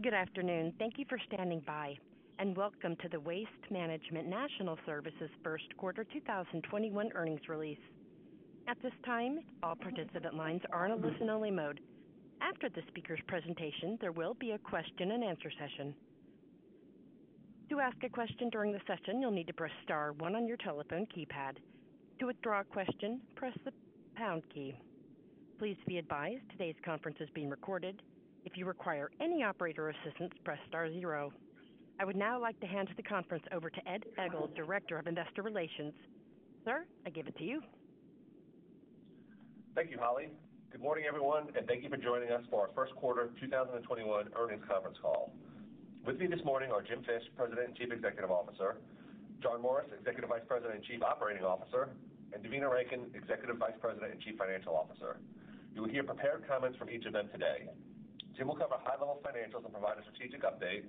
Good afternoon. Thank you for standing by, and welcome to the Waste Management National Services first quarter 2021 earnings release. At this time, all participant lines are in a listen-only mode. After the speaker's presentation, there will be a question-and-answer session. To ask a question during the session, you'll need to press star one on your telephone keypad. To withdraw a question, press the pound key. Please be advised today's conference is being recorded. If you require any operator assistance, press star zero. I would now like to hand the conference over to Ed Egl, Director of Investor Relations. Sir, I give it to you. Thank you, Holly. Good morning, everyone, and thank you for joining us for our first quarter 2021 earnings conference call. With me this morning are Jim Fish, President and Chief Executive Officer, John Morris, Executive Vice President and Chief Operating Officer, and Devina Rankin, Executive Vice President and Chief Financial Officer. You will hear prepared comments from each of them today. Jim will cover high-level financials and provide a strategic update.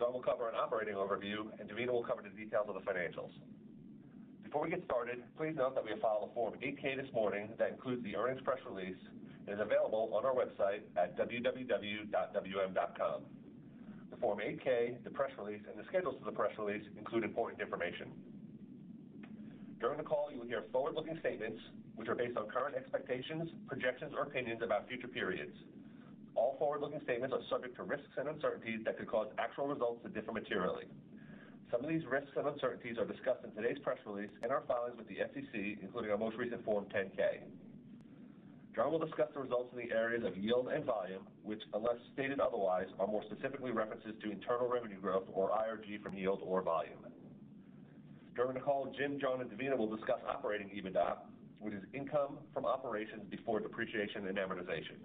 John will cover an operating overview, and Devina will cover the details of the financials. Before we get started, please note that we have filed a Form 8-K this morning that includes the earnings press release. It is available on our website at www.wm.com. The Form 8-K, the press release, and the schedules to the press release include important information. During the call, you will hear forward-looking statements, which are based on current expectations, projections, or opinions about future periods. All forward-looking statements are subject to risks and uncertainties that could cause actual results to differ materially. Some of these risks and uncertainties are discussed in today's press release and our filings with the SEC, including our most recent Form 10-K. John will discuss the results in the areas of yield and volume, which, unless stated otherwise, are more specifically references to internal revenue growth, or IRG, from yield or volume. During the call, Jim, John, and Devina will discuss operating EBITDA, which is income from operations before depreciation and amortization.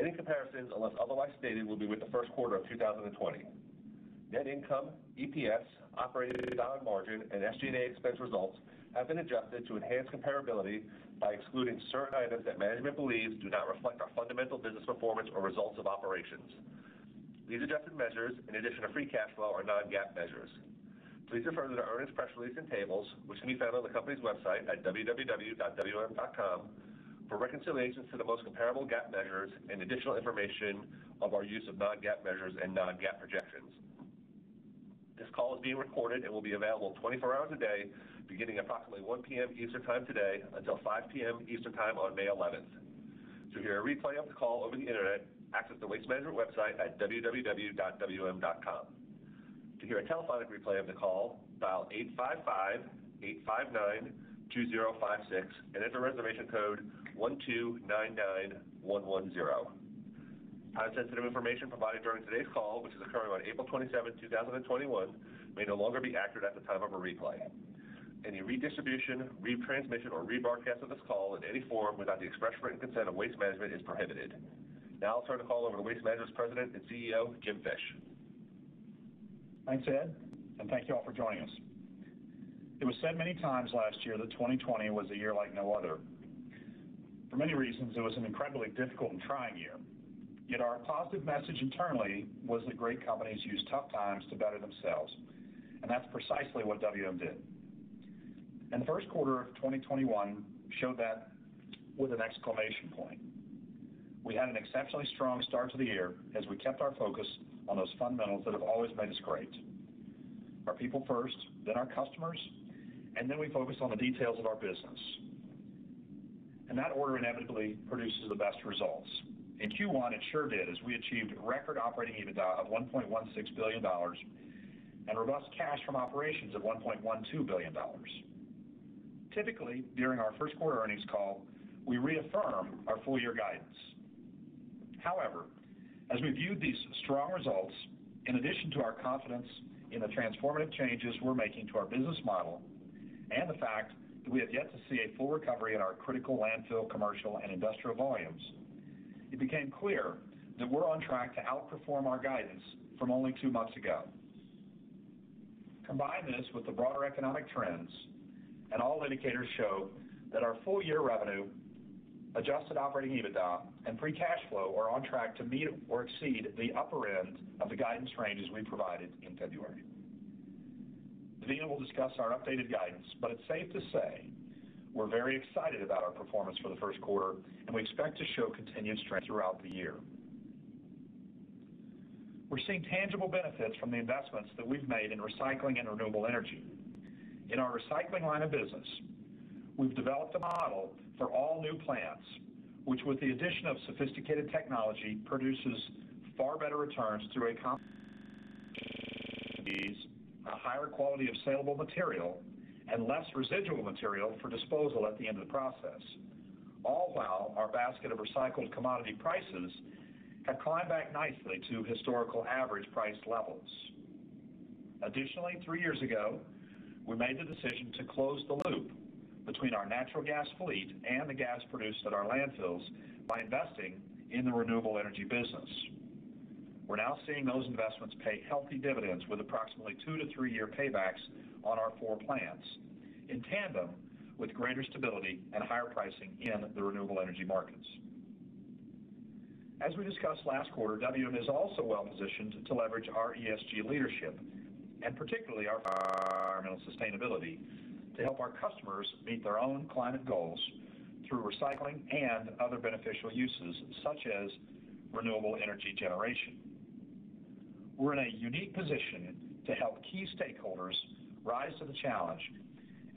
Any comparisons, unless otherwise stated, will be with the first quarter of 2020. Net income, EPS, operating EBITDA margin, and SG&A expense results have been adjusted to enhance comparability by excluding certain items that management believes do not reflect our fundamental business performance or results of operations. These adjusted measures, in addition to free cash flow, are non-GAAP measures. Please refer to the earnings press release and tables, which can be found on the company's website at www.wm.com for reconciliations to the most comparable GAAP measures and additional information of our use of non-GAAP measures and non-GAAP projections. This call is being recorded and will be available 24 hours a day, beginning approximately 1:00 P.M. Eastern Time today until 5:00 P.M. Eastern Time on May 11th. To hear a replay of the call over the internet, access the Waste Management website at www.wm.com. To hear a telephonic replay of the call, dial 855-859-2056 and enter reservation code 1299110. Time-sensitive information provided during today's call, which is occurring on April 27, 2021, may no longer be accurate at the time of a replay. Any redistribution, retransmission, or rebroadcast of this call in any form without the express written consent of Waste Management is prohibited. Now I'll turn the call over to Waste Management's President and CEO, Jim Fish. Thanks, Ed Egl, and thank you all for joining us. It was said many times last year that 2020 was a year like no other. For many reasons, it was an incredibly difficult and trying year. Yet our positive message internally was that great companies use tough times to better themselves, and that's precisely what WM did. The first quarter of 2021 showed that with an exclamation point. We had an exceptionally strong start to the year as we kept our focus on those fundamentals that have always made us great. Our people first, then our customers, and then we focused on the details of our business. That order inevitably produces the best results. In Q1, it sure did, as we achieved record operating EBITDA of $1.16 billion and robust cash from operations of $1.12 billion. Typically, during our first-quarter earnings call, we reaffirm our full-year guidance. However, as we viewed these strong results, in addition to our confidence in the transformative changes we're making to our business model and the fact that we have yet to see a full recovery in our critical landfill, commercial, and industrial volumes, it became clear that we're on track to outperform our guidance from only two months ago. Combine this with the broader economic trends, and all indicators show that our full-year revenue, adjusted operating EBITDA, and free cash flow are on track to meet or exceed the upper end of the guidance ranges we provided in February. Devina will discuss our updated guidance, but it's safe to say we're very excited about our performance for the first quarter, and we expect to show continued strength throughout the year. We're seeing tangible benefits from the investments that we've made in recycling and renewable energy. In our recycling line of business, we've developed a model for all new plants, which with the addition of sophisticated technology, produces far better returns through a higher quality of saleable material and less residual material for disposal at the end of the process. All while our basket of recycled commodity prices have climbed back nicely to historical average price levels. Additionally, three years ago, we made the decision to close the loop between our natural gas fleet and the gas produced at our landfills by investing in the renewable energy business. We're now seeing those investments pay healthy dividends with approximately two to three-year paybacks on our four plants, in tandem with greater stability and higher pricing in the renewable energy markets. As we discussed last quarter, WM is also well-positioned to leverage our ESG leadership and particularly our environmental sustainability to help our customers meet their own climate goals through recycling and other beneficial uses, such as renewable energy generation. We're in a unique position to help key stakeholders rise to the challenge,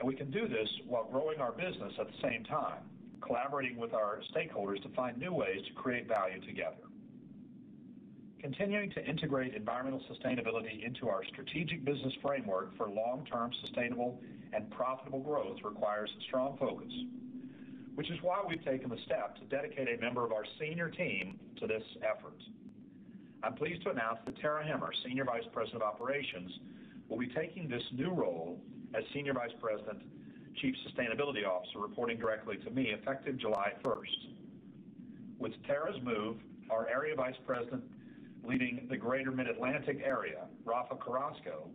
and we can do this while growing our business at the same time, collaborating with our stakeholders to find new ways to create value together. Continuing to integrate environmental sustainability into our strategic business framework for long-term sustainable and profitable growth requires a strong focus, which is why we've taken the step to dedicate a member of our senior team to this effort. I'm pleased to announce that Tara Hemmer, Senior Vice President, Operations, will be taking this new role as Senior Vice President, Chief Sustainability Officer, reporting directly to me effective July 1st. With Tara's move, our Area Vice President leading the Greater Mid-Atlantic area, Rafael Carrasco,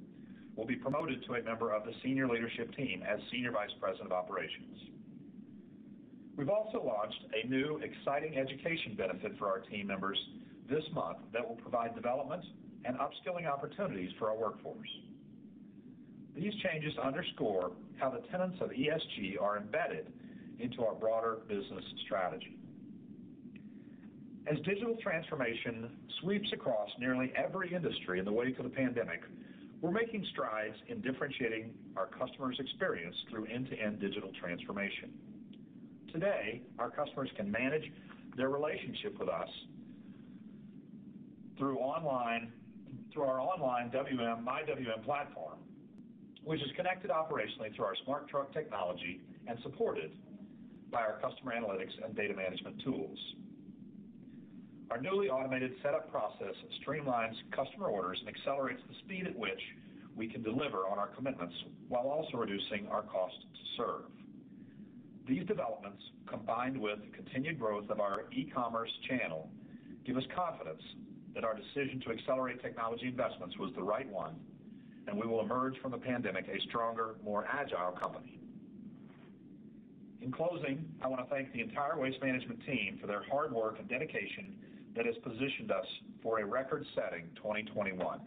will be promoted to a member of the senior leadership team as Senior Vice President of Operations. We've also launched a new exciting education benefit for our team members this month that will provide development and upskilling opportunities for our workforce. These changes underscore how the tenets of ESG are embedded into our broader business strategy. As digital transformation sweeps across nearly every industry in the wake of the pandemic, we're making strides in differentiating our customer's experience through end-to-end digital transformation. Today, our customers can manage their relationship with us through our online myWM platform, which is connected operationally through our smart truck technology and supported by our customer analytics and data management tools. Our newly automated setup process streamlines customer orders and accelerates the speed at which we can deliver on our commitments while also reducing our cost to serve. These developments, combined with continued growth of our e-commerce channel, give us confidence that our decision to accelerate technology investments was the right one, and we will emerge from the pandemic a stronger, more agile company. In closing, I want to thank the entire Waste Management team for their hard work and dedication that has positioned us for a record-setting 2021.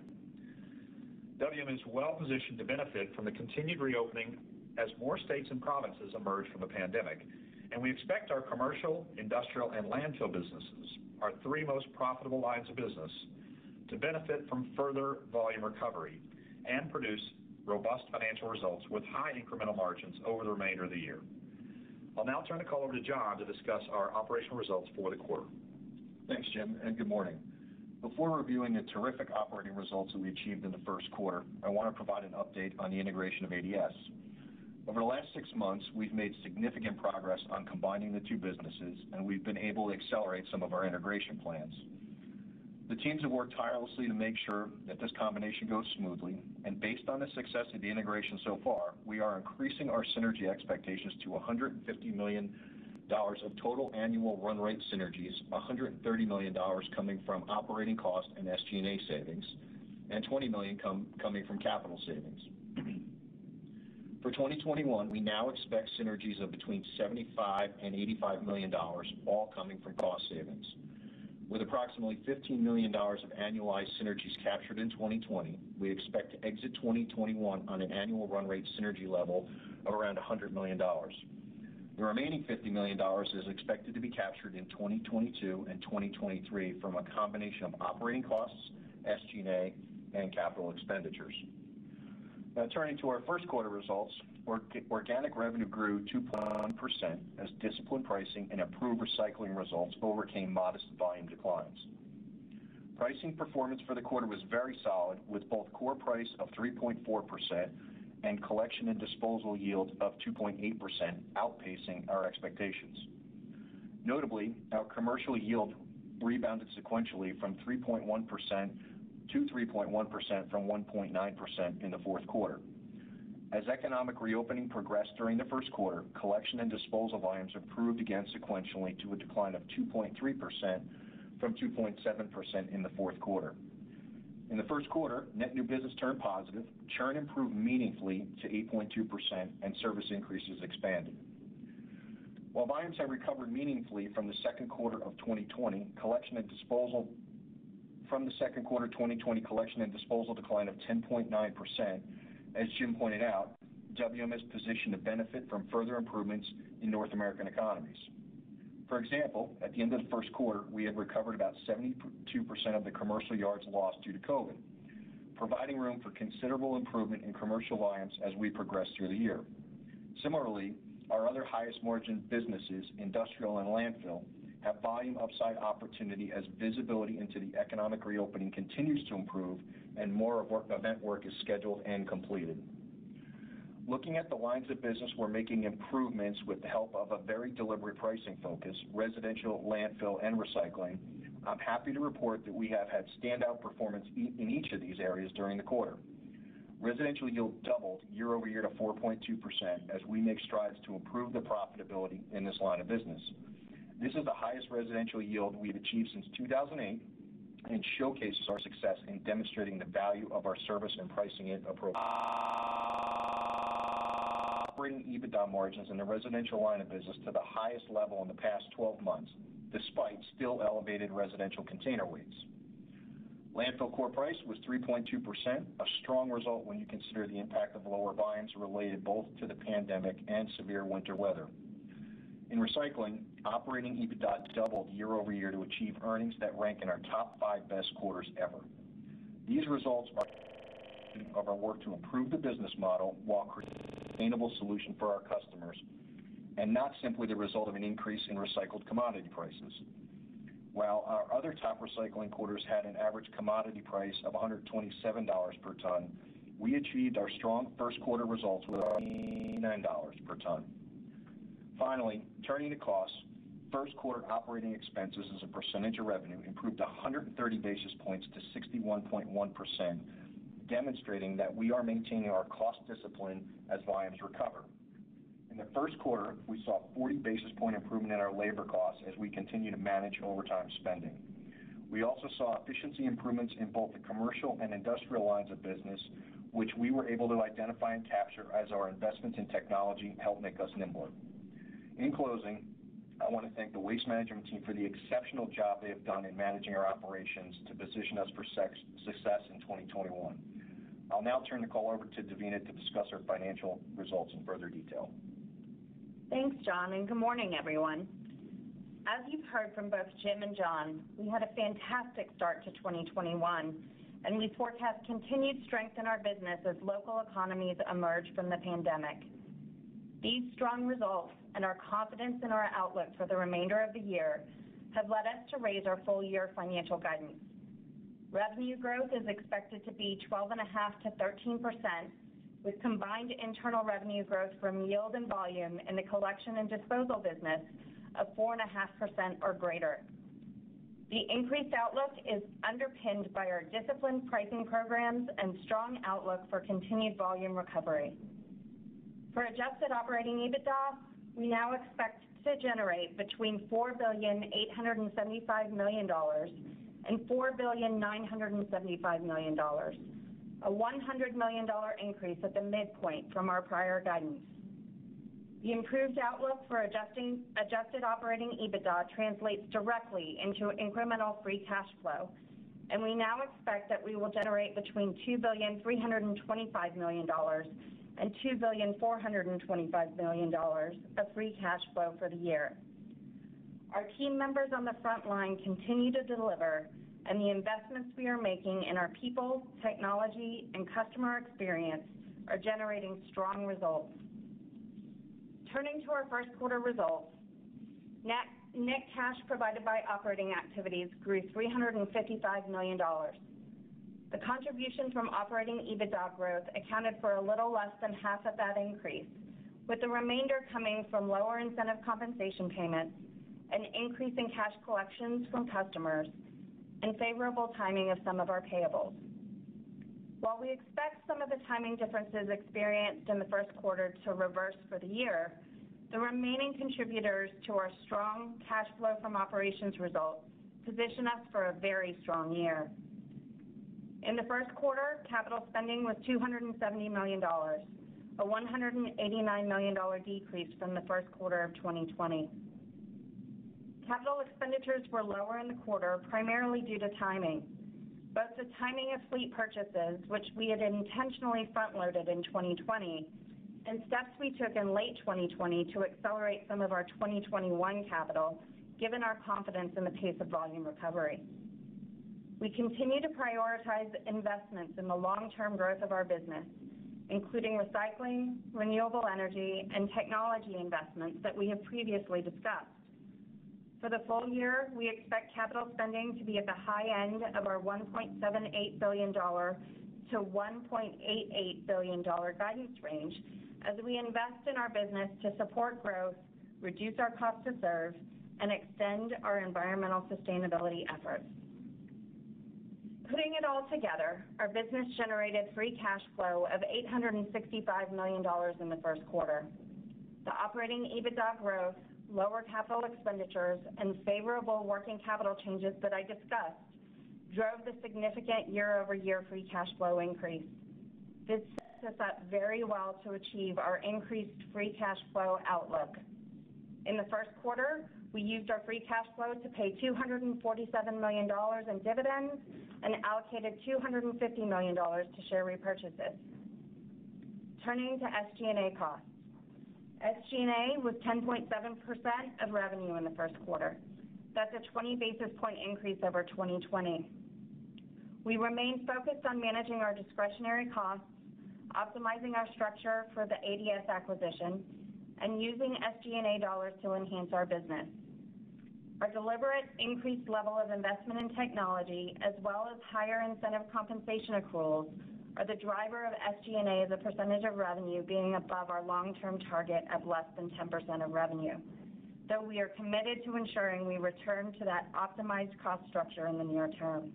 WM is well positioned to benefit from the continued reopening as more states and provinces emerge from the pandemic, and we expect our commercial, industrial, and landfill businesses, our three most profitable lines of business, to benefit from further volume recovery and produce robust financial results with high incremental margins over the remainder of the year. I'll now turn the call over to John to discuss our operational results for the quarter. Thanks, Jim, and good morning. Before reviewing the terrific operating results that we achieved in the first quarter, I want to provide an update on the integration of ADS. Over the last six months, we've made significant progress on combining the two businesses, and we've been able to accelerate some of our integration plans. The teams have worked tirelessly to make sure that this combination goes smoothly. Based on the success of the integration so far, we are increasing our synergy expectations to $150 million of total annual run rate synergies, $130 million coming from operating cost and SG&A savings, and $20 million coming from capital savings. For 2021, we now expect synergies of between $75 million and $85 million, all coming from cost savings. With approximately $15 million of annualized synergies captured in 2020, we expect to exit 2021 on an annual run rate synergy level of around $100 million. The remaining $50 million is expected to be captured in 2022 and 2023 from a combination of operating costs, SG&A, and capital expenditures. Now turning to our first quarter results, organic revenue grew 2.1% as disciplined pricing and improved recycling results overcame modest volume declines. Pricing performance for the quarter was very solid with both core price of 3.4% and collection and disposal yield of 2.8% outpacing our expectations. Notably, our commercial yield rebounded sequentially to 3.1% from 1.9% in the fourth quarter. As economic reopening progressed during the first quarter, collection and disposal volumes improved again sequentially to a decline of 2.3% from 2.7% in the fourth quarter. In the first quarter, net new business turned positive, churn improved meaningfully to 8.2%, and service increases expanded. While volumes have recovered meaningfully from the second quarter 2020 collection and disposal decline of 10.9%, as Jim pointed out, WM is positioned to benefit from further improvements in North American economies. For example, at the end of the first quarter, we had recovered about 72% of the commercial yards lost due to COVID, providing room for considerable improvement in commercial volumes as we progress through the year. Similarly, our other highest margin businesses, industrial and landfill, have volume upside opportunity as visibility into the economic reopening continues to improve and more event work is scheduled and completed. Looking at the lines of business, we're making improvements with the help of a very deliberate pricing focus, residential, landfill, and recycling. I'm happy to report that we have had standout performance in each of these areas during the quarter. Residential yield doubled year-over-year to 4.2% as we make strides to improve the profitability in this line of business. This is the highest residential yield we've achieved since 2008 and showcases our success in demonstrating the value of our service and pricing approach. Operating EBITDA margins in the residential line of business to the highest level in the past 12 months, despite still elevated residential container rates. Landfill core price was 3.2%, a strong result when you consider the impact of lower volumes related both to the pandemic and severe winter weather. In recycling, Operating EBITDA doubled year-over-year to achieve earnings that rank in our top five best quarters ever. These results are of our work to improve the business model while creating a sustainable solution for our customers, not simply the result of an increase in recycled commodity prices. While our other top recycling quarters had an average commodity price of $127 per ton, we achieved our strong first quarter results with $9 per ton. Turning to costs. First quarter operating expenses as a percentage of revenue improved 130 basis points to 61.1%, demonstrating that we are maintaining our cost discipline as volumes recover. In the first quarter, we saw 40 basis point improvement in our labor costs as we continue to manage overtime spending. We also saw efficiency improvements in both the commercial and industrial lines of business, which we were able to identify and capture as our investments in technology help make us nimbler. In closing, I want to thank the Waste Management team for the exceptional job they have done in managing our operations to position us for success in 2021. I'll now turn the call over to Devina to discuss our financial results in further detail. Thanks, John, and good morning, everyone. As you've heard from both Jim and John, we had a fantastic start to 2021, and we forecast continued strength in our business as local economies emerge from the pandemic. These strong results and our confidence in our outlook for the remainder of the year have led us to raise our full year financial guidance. Revenue growth is expected to be 12.5%-13%, with combined internal revenue growth from yield and volume in the collection and disposal business of 4.5% or greater. The increased outlook is underpinned by our disciplined pricing programs and strong outlook for continued volume recovery. For adjusted operating EBITDA, we now expect to generate between $4.875 billion and $4.975 billion, a $100 million increase at the midpoint from our prior guidance. The improved outlook for adjusted Operating EBITDA translates directly into incremental free cash flow, and we now expect that we will generate between $2,325,000,000 and $2,425,000,000 of free cash flow for the year. Our team members on the front line continue to deliver, and the investments we are making in our people, technology, and customer experience are generating strong results. Turning to our first quarter results. Net cash provided by operating activities grew $355 million. The contribution from Operating EBITDA growth accounted for a little less than half of that increase, with the remainder coming from lower incentive compensation payments and increase in cash collections from customers and favorable timing of some of our payables. While we expect some of the timing differences experienced in the first quarter to reverse for the year, the remaining contributors to our strong cash flow from operations results position us for a very strong year. In the first quarter, capital spending was $270 million, a $189 million decrease from the first quarter of 2020. Capital expenditures were lower in the quarter, primarily due to timing. Both the timing of fleet purchases, which we had intentionally front-loaded in 2020, and steps we took in late 2020 to accelerate some of our 2021 capital, given our confidence in the pace of volume recovery. We continue to prioritize investments in the long-term growth of our business, including recycling, renewable energy, and technology investments that we have previously discussed. For the full year, we expect capital spending to be at the high end of our $1.78 billion-$1.88 billion guidance range as we invest in our business to support growth, reduce our cost to serve, and extend our environmental sustainability efforts. Putting it all together, our business generated free cash flow of $865 million in the first quarter. The operating EBITDA growth, lower capital expenditures, and favorable working capital changes that I discussed drove the significant year-over-year free cash flow increase. This sets us up very well to achieve our increased free cash flow outlook. In the first quarter, we used our free cash flow to pay $247 million in dividends and allocated $250 million to share repurchases. Turning to SG&A costs. SG&A was 10.7% of revenue in the first quarter. That's a 20 basis point increase over 2020. We remain focused on managing our discretionary costs, optimizing our structure for the ADS acquisition, and using SG&A dollars to enhance our business. Our deliberate increased level of investment in technology, as well as higher incentive compensation accruals, are the driver of SG&A as a percentage of revenue being above our long-term target of less than 10% of revenue, though we are committed to ensuring we return to that optimized cost structure in the near term.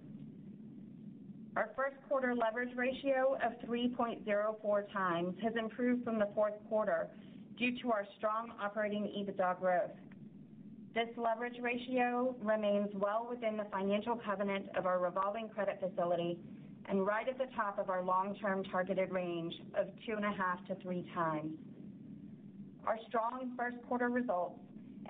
Our first quarter leverage ratio of 3.04x has improved from the fourth quarter due to our strong operating EBITDA growth. This leverage ratio remains well within the financial covenant of our revolving credit facility and right at the top of our long-term targeted range of 2.5x-3x. Our strong first quarter results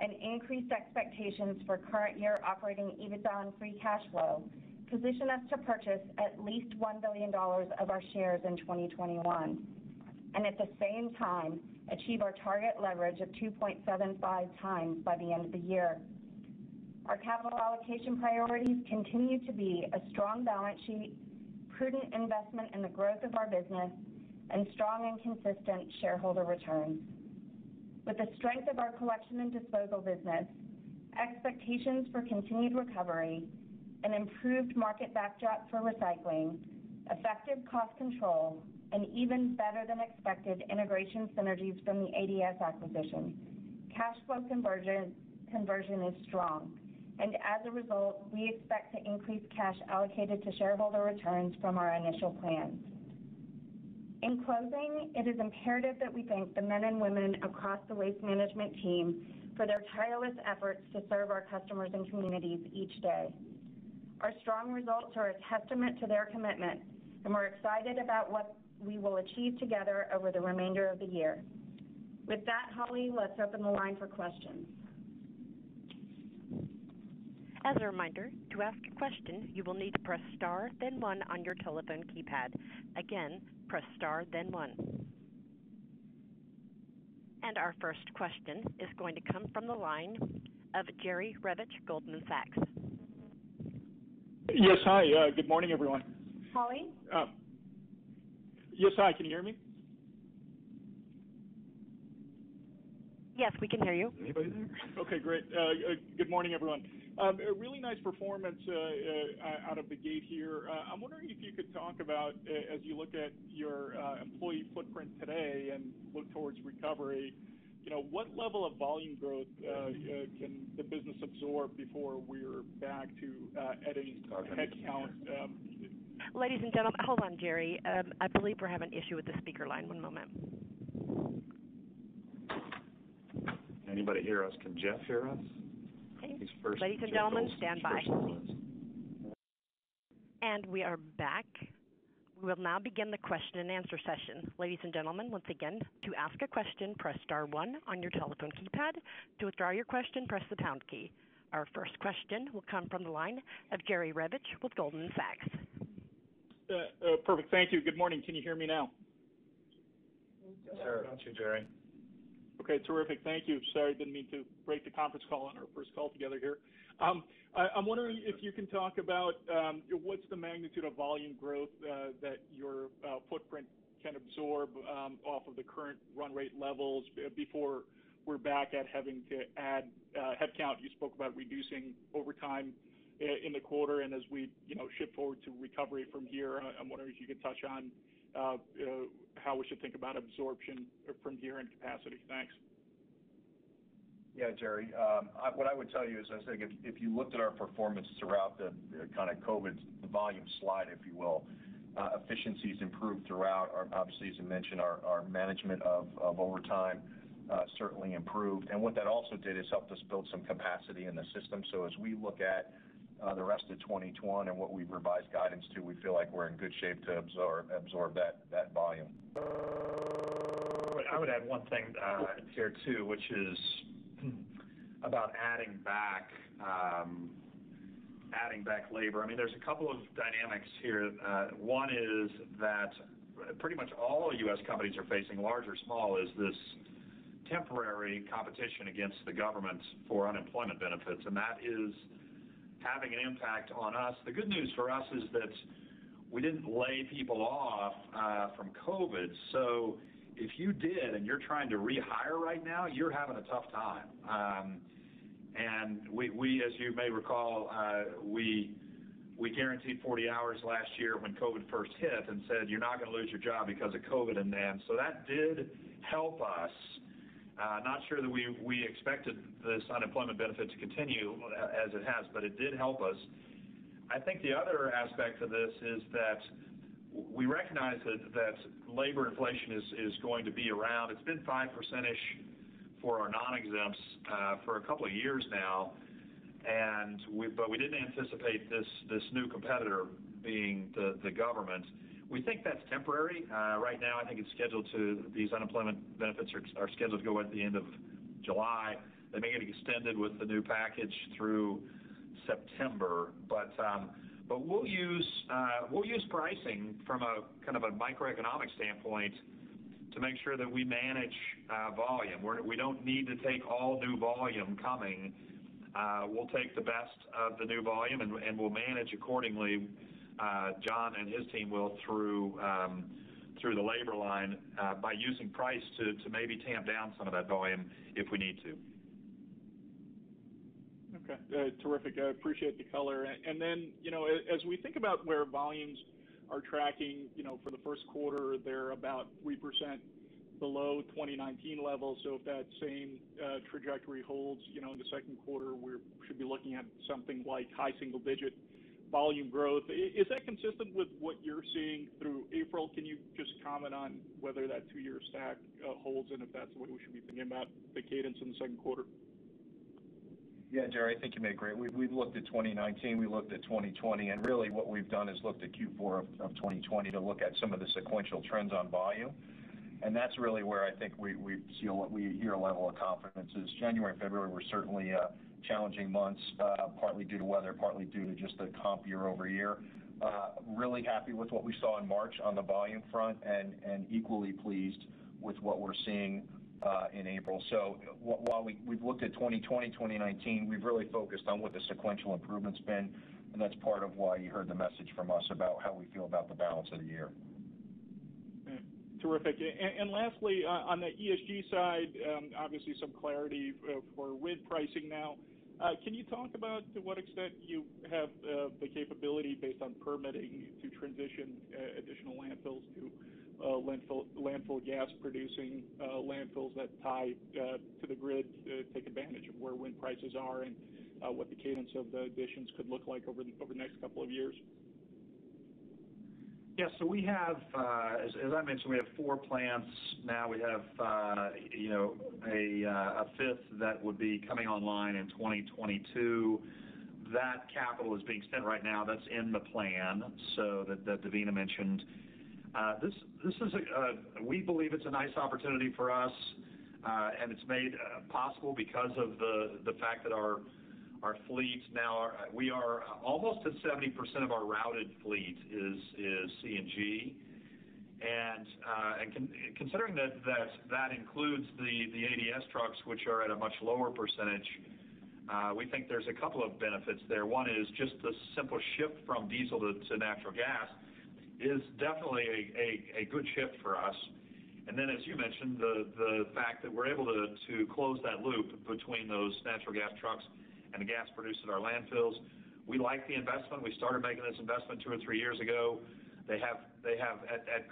and increased expectations for current year operating EBITDA and free cash flow position us to purchase at least $1 billion of our shares in 2021, and at the same time, achieve our target leverage of 2.75x by the end of the year. Our capital allocation priorities continue to be a strong balance sheet, prudent investment in the growth of our business, and strong and consistent shareholder returns. With the strength of our collection and disposal business, expectations for continued recovery and improved market backdrop for recycling, effective cost control, and even better than expected integration synergies from the ADS acquisition. Cash flow conversion is strong and as a result, we expect to increase cash allocated to shareholder returns from our initial plans. In closing, it is imperative that we thank the men and women across the Waste Management team for their tireless efforts to serve our customers and communities each day. Our strong results are a testament to their commitment, and we're excited about what we will achieve together over the remainder of the year. With that, Holly, let's open the line for questions. As a reminder, to ask a question, you will need to press star then one on your telephone keypad. Again, press star then one. Our first question is going to come from the line of Jerry Revich, Goldman Sachs. Yes. Hi, good morning, everyone. Holly? Yes. Hi, can you hear me? Yes, we can hear you. Okay, great. Good morning, everyone. A really nice performance out of the gate here. I'm wondering if you could talk about, as you look at your employee footprint today and look towards recovery, what level of volume growth can the business absorb before we're back to adding headcount? Ladies and gentlemen, Hold on, Jerry. I believe we're having an issue with the speaker line. One moment. Can anybody hear us? Can Jeff hear us? Ladies and gentlemen, stand by please. We are back. We will now begin the question-and-answer session. Ladies and gentlemen, once again, to ask a question, press star one on your telephone keypad. To withdraw your question, press the pound key. Our first question will come from the line of Jerry Revich with Goldman Sachs. Perfect. Thank you. Good morning. Can you hear me now? Sure. How about you, Jerry? Okay, terrific. Thank you. Sorry, didn't mean to break the conference call on our first call together here. I'm wondering if you can talk about what's the magnitude of volume growth that your footprint can absorb off of the current run rate levels before we're back at having to add headcount. You spoke about reducing overtime in the quarter, and as we shift forward to recovery from here, I'm wondering if you could touch on how we should think about absorption from here and capacity. Thanks. Yeah, Jerry. What I would tell you is, I think if you looked at our performance throughout the COVID volume slide, if you will, efficiencies improved throughout our, obviously, as you mentioned, our management of overtime certainly improved. What that also did is helped us build some capacity in the system. As we look at the rest of 2021 and what we've revised guidance to, we feel like we're in good shape to absorb that volume. I would add one thing here, too, which is about adding back labor. There's a couple of dynamics here. One is that pretty much all U.S. companies are facing, large or small, is this temporary competition against the government for unemployment benefits, and that is having an impact on us. The good news for us is that we didn't lay people off from COVID. If you did and you're trying to rehire right now, you're having a tough time. We, as you may recall, we guaranteed 40 hours last year when COVID first hit and said, "You're not going to lose your job because of COVID." That did help us. Not sure that we expected this unemployment benefit to continue as it has, but it did help us. I think the other aspect of this is that we recognize that labor inflation is going to be around. It's been 5%-ish for our non-exempts for a couple of years now, but we didn't anticipate this new competitor being the government. We think that's temporary. Right now, I think these unemployment benefits are scheduled to go at the end of July. They may get extended with the new package through September. We'll use pricing from a microeconomic standpoint to make sure that we manage volume. We don't need to take all new volume coming. We'll take the best of the new volume, and we'll manage accordingly. John and his team will through the labor line by using price to maybe tamp down some of that volume if we need to. Okay. Terrific. I appreciate the color. As we think about where volumes are tracking for the first quarter, they're about 3% below 2019 levels. If that same trajectory holds in the second quarter, we should be looking at something like high single-digit volume growth. Is that consistent with what you're seeing through April? Can you just comment on whether that two-year stack holds and if that's the way we should be thinking about the cadence in the second quarter? Yeah, Jerry, I think you made great. We've looked at 2019, we looked at 2020, and really what we've done is looked at Q4 of 2020 to look at some of the sequential trends on volume. That's really where I think we see a level of confidence is January and February were certainly challenging months, partly due to weather, partly due to just the comp year-over-year. Really happy with what we saw in March on the volume front and equally pleased with what we're seeing in April. While we've looked at 2020, 2019, we've really focused on what the sequential improvement's been, and that's part of why you heard the message from us about how we feel about the balance of the year. Terrific. Lastly, on the ESG side, obviously some clarity for RIN pricing now. Can you talk about to what extent you have the capability based on permitting to transition additional landfills to landfill gas-producing landfills that tie to the grid to take advantage of where RIN prices are and what the cadence of the additions could look like over the next couple of years? Yeah, as I mentioned, we have four plants now. We have a fifth that would be coming online in 2022. That capital is being spent right now. That's in the plan that Devina mentioned. We believe it's a nice opportunity for us, and it's made possible because of the fact that our fleet now, we are almost at 70% of our routed fleet is CNG. Considering that includes the ADS trucks, which are at a much lower percentage, we think there's a couple of benefits there. One is just the simple shift from diesel to natural gas is definitely a good shift for us. As you mentioned, the fact that we're able to close that loop between those natural gas trucks and the gas produced at our landfills. We like the investment. We started making this investment two or three years ago. At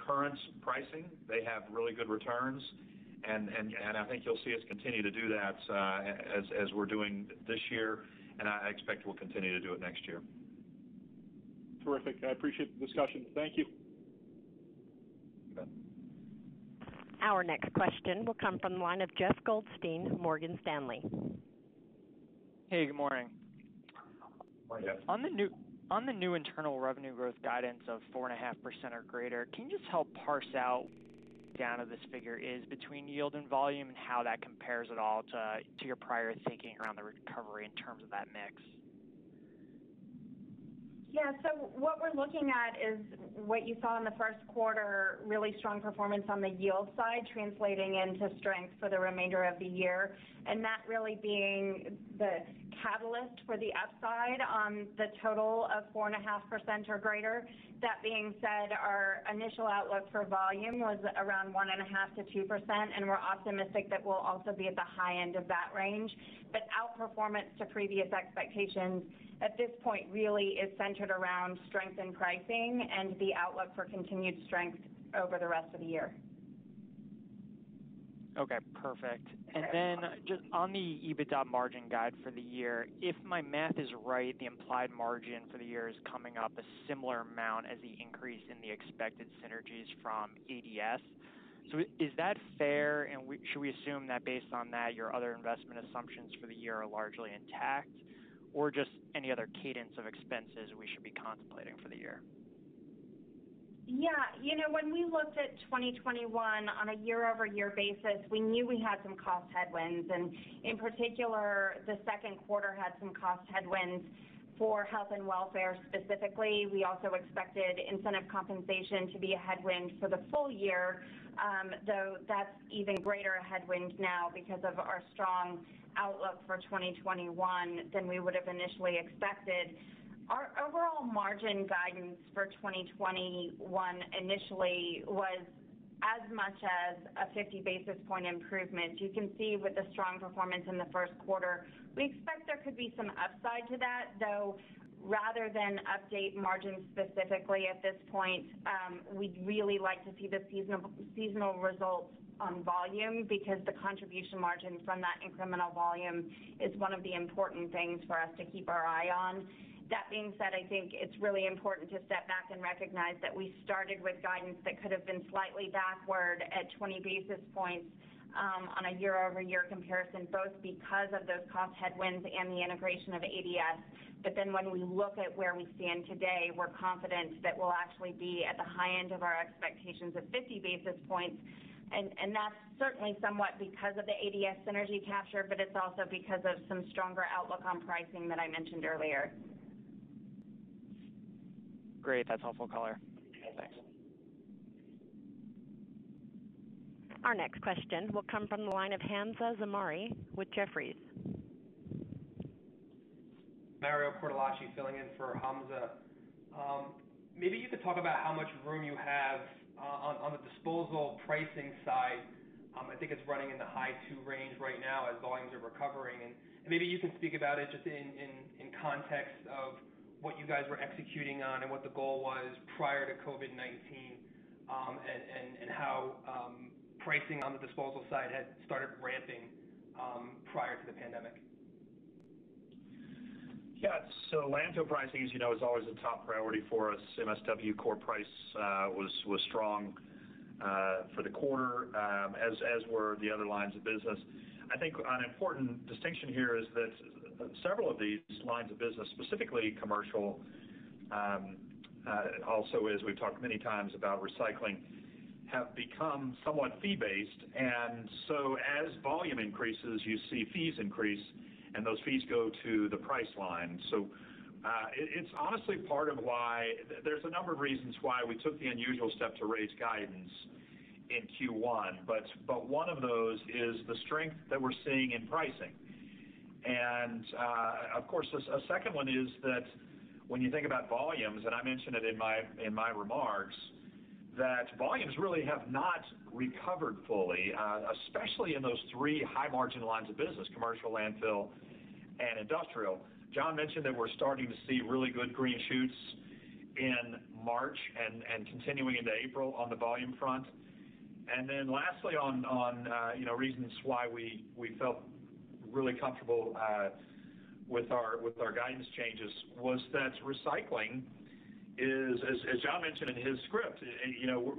current pricing, they have really good returns. I think you'll see us continue to do that as we're doing this year. I expect we'll continue to do it next year. Terrific. I appreciate the discussion. Thank you. Okay. Our next question will come from the line of Jeff Goldstein of Morgan Stanley. Hey, good morning. Morning, Jeff. On the new internal revenue growth guidance of 4.5% or greater, can you just help parse out down of this figure is between yield and volume and how that compares at all to your prior thinking around the recovery in terms of that mix? Yeah. What we're looking at is what you saw in the first quarter, really strong performance on the yield side translating into strength for the remainder of the year, and that really being the catalyst for the upside on the total of 4.5% or greater. That being said, our initial outlook for volume was around 1.5%-2%. We're optimistic that we'll also be at the high end of that range. Outperformance to previous expectations at this point really is centered around strength in pricing and the outlook for continued strength over the rest of the year. Okay, perfect. Great. Just on the EBITDA margin guide for the year, if my math is right, the implied margin for the year is coming up a similar amount as the increase in the expected synergies from ADS. Is that fair? Should we assume that based on that, your other investment assumptions for the year are largely intact? Just any other cadence of expenses we should be contemplating for the year? Yeah. When we looked at 2021 on a year-over-year basis, we knew we had some cost headwinds. In particular, the second quarter had some cost headwinds for health and welfare specifically. We also expected incentive compensation to be a headwind for the full year, though that's even greater a headwind now because of our strong outlook for 2021 than we would've initially expected. Our overall margin guidance for 2021 initially was as much as a 50-basis-point improvement. You can see with the strong performance in the first quarter, we expect there could be some upside to that, though, rather than update margins specifically at this point, we'd really like to see the seasonal results on volume because the contribution margin from that incremental volume is one of the important things for us to keep our eye on. That being said, I think it's really important to step back and recognize that we started with guidance that could have been slightly backward at 20 basis points, on a year-over-year comparison, both because of those cost headwinds and the integration of ADS. When we look at where we stand today, we're confident that we'll actually be at the high end of our expectations of 50 basis points, and that's certainly somewhat because of the ADS synergy capture, but it's also because of some stronger outlook on pricing that I mentioned earlier. Great. That's helpful color. Okay. Thanks. Our next question will come from the line of Hamzah Mazari with Jefferies. Mario Cortellacci filling in for Hamzah. Maybe you could talk about how much room you have on the disposal pricing side. I think it's running in the high two range right now as volumes are recovering, and maybe you can speak about it. In context of what you guys were executing on and what the goal was prior to COVID-19, and how pricing on the disposal side had started ramping prior to the pandemic. Yeah. Landfill pricing, as you know, is always a top priority for us. MSW core price was strong for the quarter, as were the other lines of business. I think an important distinction here is that several of these lines of business, specifically commercial, also as we've talked many times about recycling, have become somewhat fee-based. As volume increases, you see fees increase, and those fees go to the price line. It's honestly part of why there's a number of reasons why we took the unusual step to raise guidance in Q1. One of those is the strength that we're seeing in pricing. Of course, a second one is that when you think about volumes, and I mentioned it in my remarks, that volumes really have not recovered fully, especially in those three high-margin lines of business, commercial, landfill, and industrial. John mentioned that we're starting to see really good green shoots in March and continuing into April on the volume front. Lastly on reasons why we felt really comfortable with our guidance changes was that recycling is, as John mentioned in his script,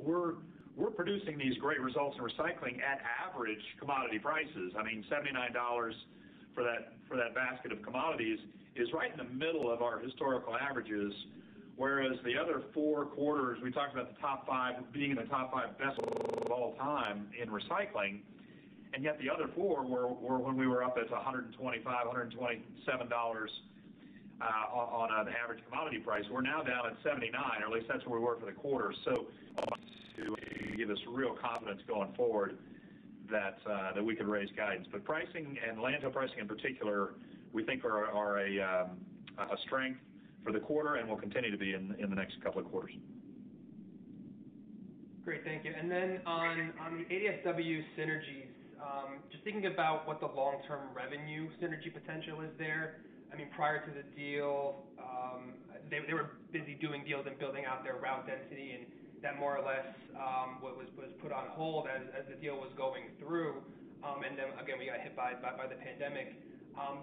we're producing these great results in recycling at average commodity prices. I mean, $79 for that basket of commodities is right in the middle of our historical averages, whereas the other four quarters, we talked about the top five, being in the top five best of all time in recycling, and yet the other four were when we were up as $125, $127 on an average commodity price. We're now down at $79, or at least that's where we were for the quarter. That gives us real confidence going forward that we could raise guidance. Pricing and landfill pricing in particular, we think are a strength for the quarter and will continue to be in the next couple of quarters. Great, thank you. On the ADSW synergies, just thinking about what the long-term revenue synergy potential is there. Prior to the deal, they were busy doing deals and building out their route density, and that more or less was put on hold as the deal was going through. Again, we got hit by the pandemic.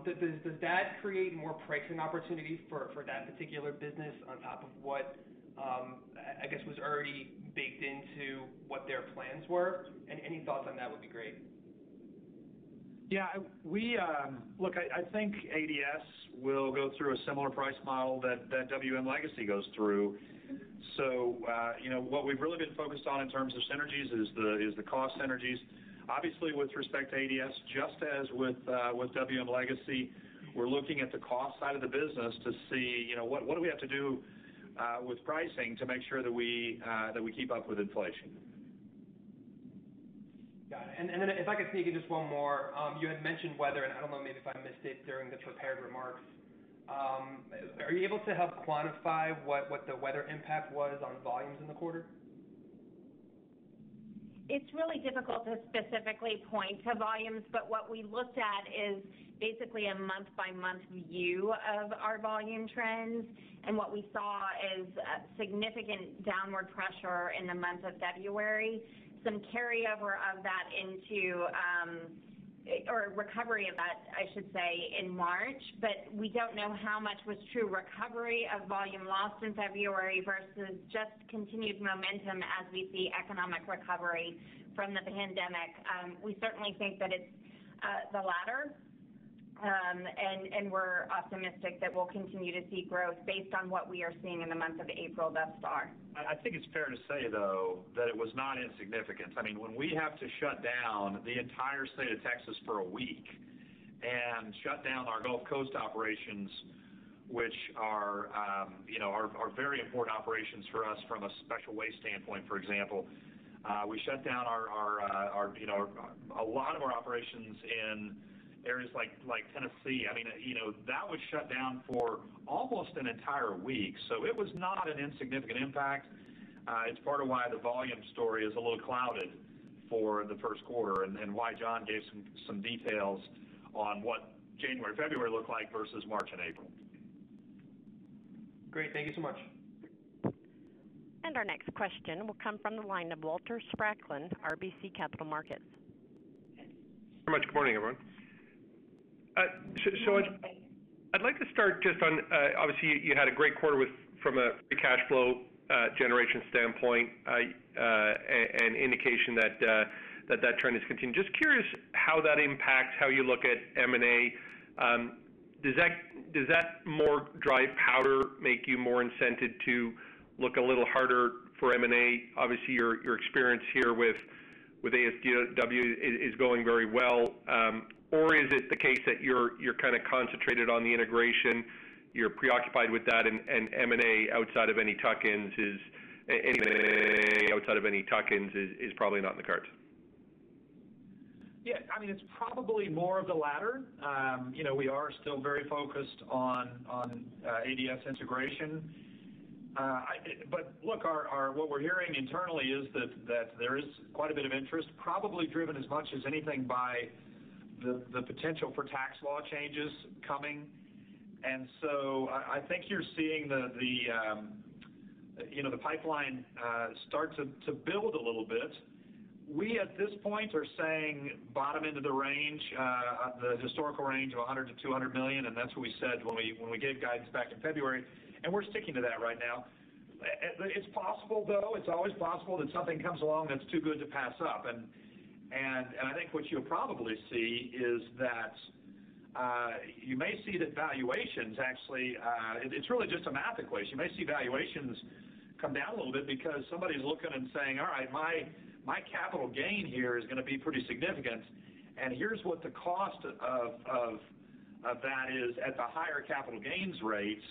Does that create more pricing opportunities for that particular business on top of what, I guess, was already baked into what their plans were? Any thoughts on that would be great. Yeah. Look, I think ADS will go through a similar price model that WM Legacy goes through. What we've really been focused on in terms of synergies is the cost synergies. Obviously, with respect to ADS, just as with WM Legacy, we're looking at the cost side of the business to see, what do we have to do with pricing to make sure that we keep up with inflation? Got it. Then if I could sneak in just one more. You had mentioned weather, and I don't know, maybe if I missed it during the prepared remarks. Are you able to help quantify what the weather impact was on volumes in the quarter? It's really difficult to specifically point to volumes, but what we looked at is basically a month-by-month view of our volume trends. What we saw is a significant downward pressure in the month of February. Some carryover of that into, or recovery of that, I should say, in March, but we don't know how much was true recovery of volume lost in February versus just continued momentum as we see economic recovery from the pandemic. We certainly think that it's the latter, and we're optimistic that we'll continue to see growth based on what we are seeing in the month of April thus far. I think it's fair to say, though, that it was not insignificant. When we have to shut down the entire state of Texas for a week and shut down our Gulf Coast operations, which are very important operations for us from a special waste standpoint, for example. We shut down a lot of our operations in areas like Tennessee. That was shut down for almost an entire week. It was not an insignificant impact. It's part of why the volume story is a little clouded for the first quarter and why John gave some details on what January, February looked like versus March and April. Great. Thank you so much. Our next question will come from the line of Walter Spracklin, RBC Capital Markets. Thank you very much. Good morning, everyone. I'd like to start just on, obviously, you had a great quarter from a free cash flow generation standpoint, an indication that trend is continuing. Just curious how that impacts how you look at M&A. Does that more dry powder make you more incented to look a little harder for M&A? Obviously, your experience here with ADSW is going very well. Is it the case that you're kind of concentrated on the integration, you're preoccupied with that and M&A outside of any tuck-ins is probably not in the cards? Yeah. It's probably more of the latter. We are still very focused on ADS integration. Look, what we're hearing internally is that there is quite a bit of interest, probably driven as much as anything by the potential for tax law changes coming. I think you're seeing the pipeline start to build a little bit. We, at this point, are saying bottom end of the historical range of $100 million-$200 million, and that's what we said when we gave guidance back in February, and we're sticking to that right now. It's possible, though, it's always possible that something comes along that's too good to pass up. I think what you'll probably see is that you may see that valuations actually, it's really just a math equation. You may see valuations come down a little bit because somebody's looking and saying, "All right, my capital gain here is going to be pretty significant, and here's what the cost of that is at the higher capital gains rates.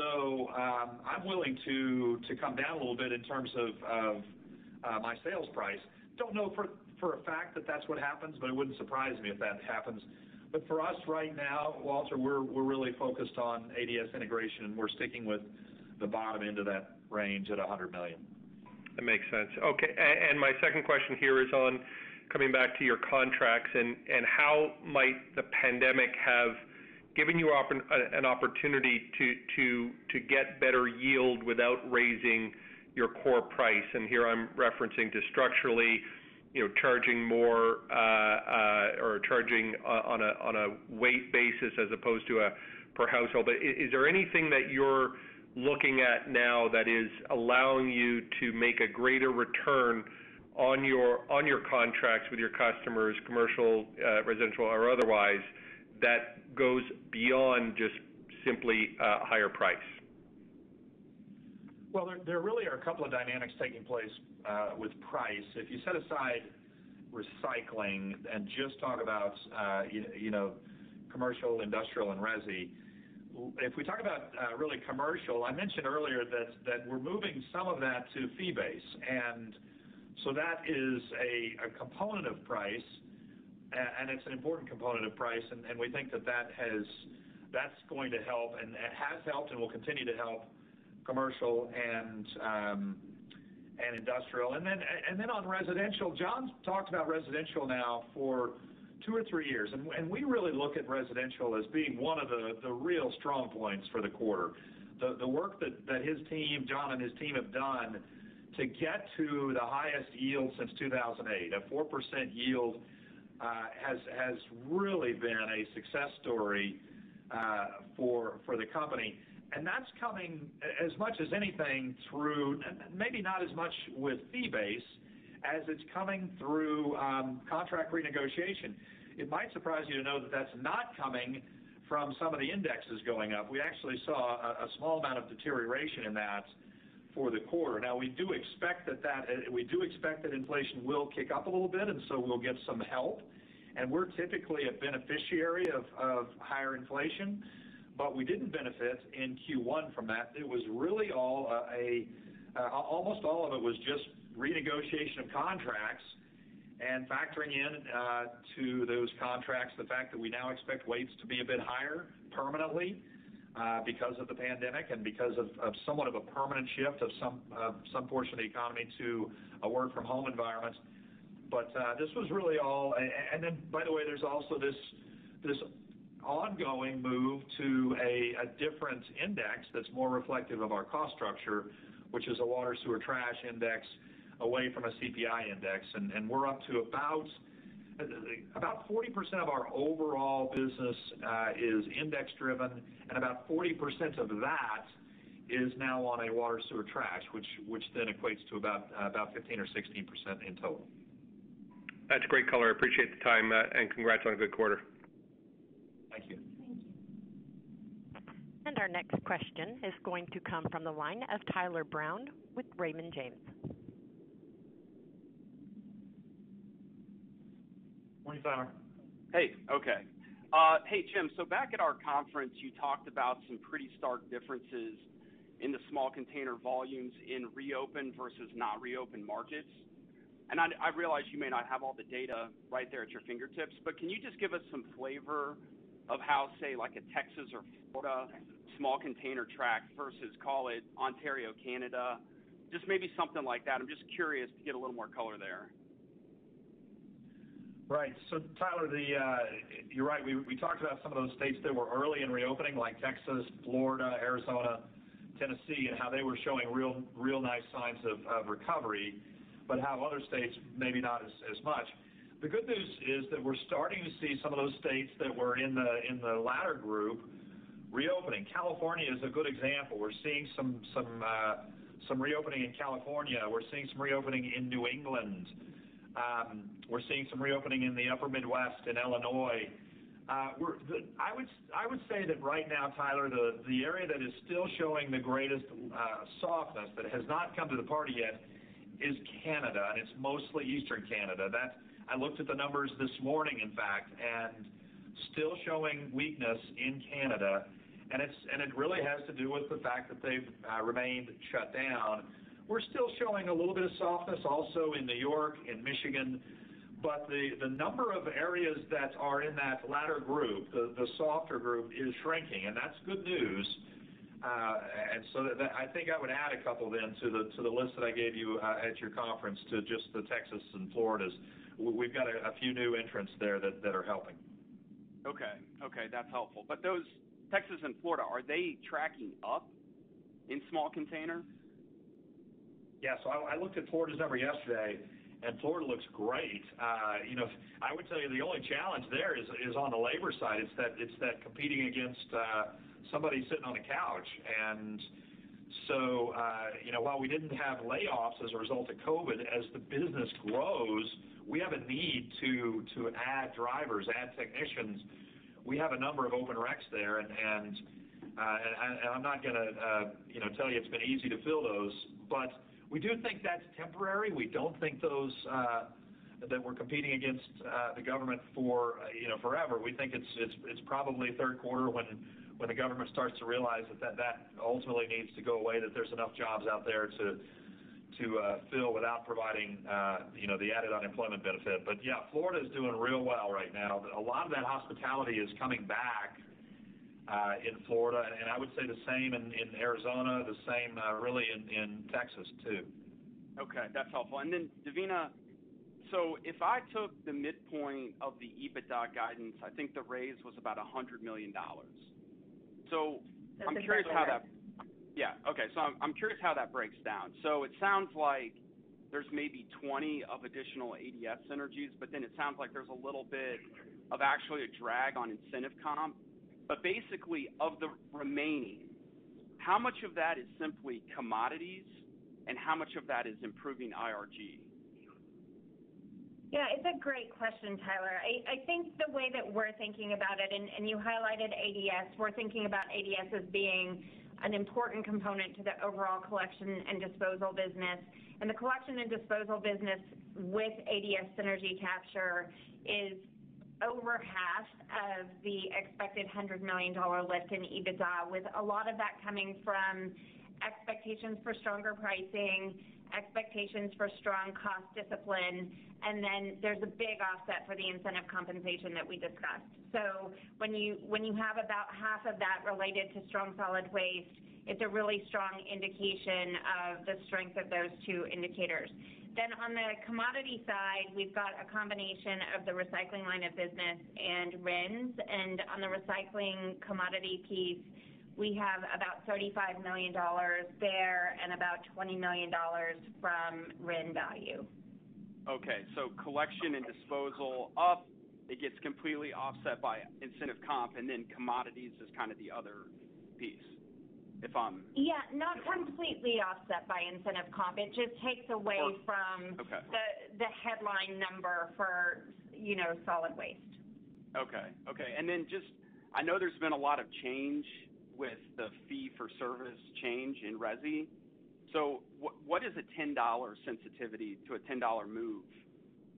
I'm willing to come down a little bit in terms of my sales price." Don't know for a fact that that's what happens, but it wouldn't surprise me if that happens. For us right now, Walter, we're really focused on ADS integration, and we're sticking with the bottom end of that range at $100 million. That makes sense. Okay. My second question here is on coming back to your contracts and how might the pandemic have given you an opportunity to get better yield without raising your core price? Here I'm referencing to structurally charging more or charging on a weight basis as opposed to a per household. Is there anything that you're looking at now that is allowing you to make a greater return on your contracts with your customers, commercial, residential, or otherwise, that goes beyond just simply a higher price? There really are a couple of dynamics taking place with price. If you set aside recycling and just talk about commercial, industrial, and resi. If we talk about really commercial, I mentioned earlier that we're moving some of that to fee base. That is a component of price, and it's an important component of price, and we think that's going to help, and it has helped and will continue to help commercial and industrial. On residential, John's talked about residential now for two or three years, and we really look at residential as being one of the real strong points for the quarter. The work that John and his team have done to get to the highest yield since 2008, a 4% yield, has really been a success story for the company. That's coming, as much as anything, through, maybe not as much with fee base, as it's coming through contract renegotiation. It might surprise you to know that that's not coming from some of the indexes going up. We actually saw a small amount of deterioration in that for the quarter. Now we do expect that inflation will kick up a little bit, and so we'll get some help. We're typically a beneficiary of higher inflation, but we didn't benefit in Q1 from that. Almost all of it was just renegotiation of contracts and factoring in to those contracts the fact that we now expect weights to be a bit higher permanently because of the pandemic and because of somewhat of a permanent shift of some portion of the economy to a work from home environment. Then, by the way, there's also this ongoing move to a different index that's more reflective of our cost structure, which is a water, sewer, trash index, away from a CPI index. We're up to about 40% of our overall business is index-driven, and about 40% of that is now on a water, sewer, trash, which then equates to about 15% or 16% in total. That's great color. I appreciate the time, and congrats on a good quarter. Thank you. Thank you. Our next question is going to come from the line of Tyler Brown with Raymond James. Morning, Tyler. Hey, Jim. Back at our conference, you talked about some pretty stark differences in the small container volumes in reopened versus not reopened markets. I realize you may not have all the data right there at your fingertips, but can you just give us some flavor of how, say, like a Texas or Florida small container track versus call it Ontario, Canada, just maybe something like that. I'm just curious to get a little more color there. Right. Tyler, you're right, we talked about some of those states that were early in reopening, like Texas, Florida, Arizona, Tennessee, and how they were showing real nice signs of recovery, but how other states, maybe not as much. The good news is that we're starting to see some of those states that were in the latter group reopening. California is a good example. We're seeing some reopening in California. We're seeing some reopening in New England. We're seeing some reopening in the upper Midwest, in Illinois. I would say that right now, Tyler, the area that is still showing the greatest softness, that has not come to the party yet is Canada, and it's mostly eastern Canada. I looked at the numbers this morning, in fact, still showing weakness in Canada, and it really has to do with the fact that they've remained shut down. We're still showing a little bit of softness also in New York and Michigan, but the number of areas that are in that latter group, the softer group, is shrinking. That's good news. I think I would add a couple then to the list that I gave you at your conference to just the Texas and Floridas. We've got a few new entrants there that are helping. Okay. That's helpful. Those, Texas and Florida, are they tracking up in small container? I looked at Florida's number yesterday, and Florida looks great. I would tell you the only challenge there is on the labor side, it's that competing against somebody sitting on a couch. While we didn't have layoffs as a result of COVID, as the business grows, we have a need to add drivers, add technicians. We have a number of open reqs there, and I'm not going to tell you it's been easy to fill those. We do think that's temporary. We don't think that we're competing against the government forever. We think it's probably third quarter when the government starts to realize that ultimately needs to go away, that there's enough jobs out there to fill without providing the added unemployment benefit. Florida's doing real well right now. A lot of that hospitality is coming back in Florida, and I would say the same in Arizona, the same really in Texas too. Okay, that's helpful. Devina, if I took the midpoint of the EBITDA guidance, I think the raise was about $100 million. I'm curious how that- That's exactly right. Okay. I'm curious how that breaks down. It sounds like there's maybe 20 of additional ADS synergies. It sounds like there's a little bit of actually a drag on incentive comp. Basically, of the remaining, how much of that is simply commodities, and how much of that is improving IRG? Yeah, it's a great question, Tyler. I think the way that we're thinking about it, and you highlighted ADS, we're thinking about ADS as being an important component to the overall collection and disposal business. The collection and disposal business with ADS synergy capture is over half of the expected $100 million lift in EBITDA, with a lot of that coming from expectations for stronger pricing, expectations for strong cost discipline, there's a big offset for the incentive compensation that we discussed. When you have about half of that related to strong solid waste, it's a really strong indication of the strength of those two indicators. On the commodity side, we've got a combination of the recycling line of business and RINs. On the recycling commodity piece, we have about $35 million there and about $20 million from RIN value. Okay, collection and disposal up, it gets completely offset by incentive comp, and then commodities is kind of the other piece. Yeah, not completely offset by incentive comp. Okay the headline number for solid waste. Okay. Just, I know there's been a lot of change with the fee-for-service change in resi. What is a $10 sensitivity to a $10 move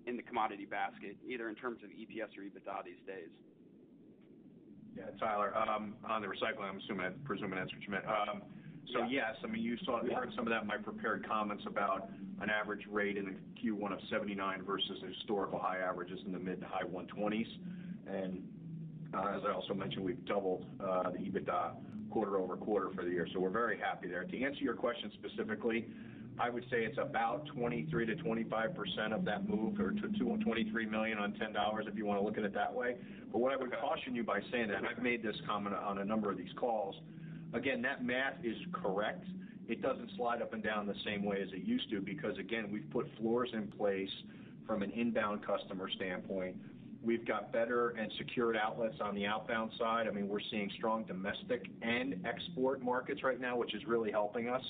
in the commodity basket, either in terms of EPS or EBITDA these days? Yeah, Tyler, on the recycling, I'm presuming that's what you meant. Yes. I mean, you saw or heard some of that in my prepared comments about an average rate in Q1 of 79 versus the historical high averages in the mid to high 120s. As I also mentioned, we've doubled the EBITDA quarter-over-quarter for the year. We're very happy there. To answer your question specifically, I would say it's about 23%-25% of that move, or $23 million on $10 if you want to look at it that way. What I would caution you by saying that, and I've made this comment on a number of these calls, again, that math is correct. It doesn't slide up and down the same way as it used to because, again, we've put floors in place from an inbound customer standpoint. We've got better and secured outlets on the outbound side. I mean, we're seeing strong domestic and export markets right now, which is really helping us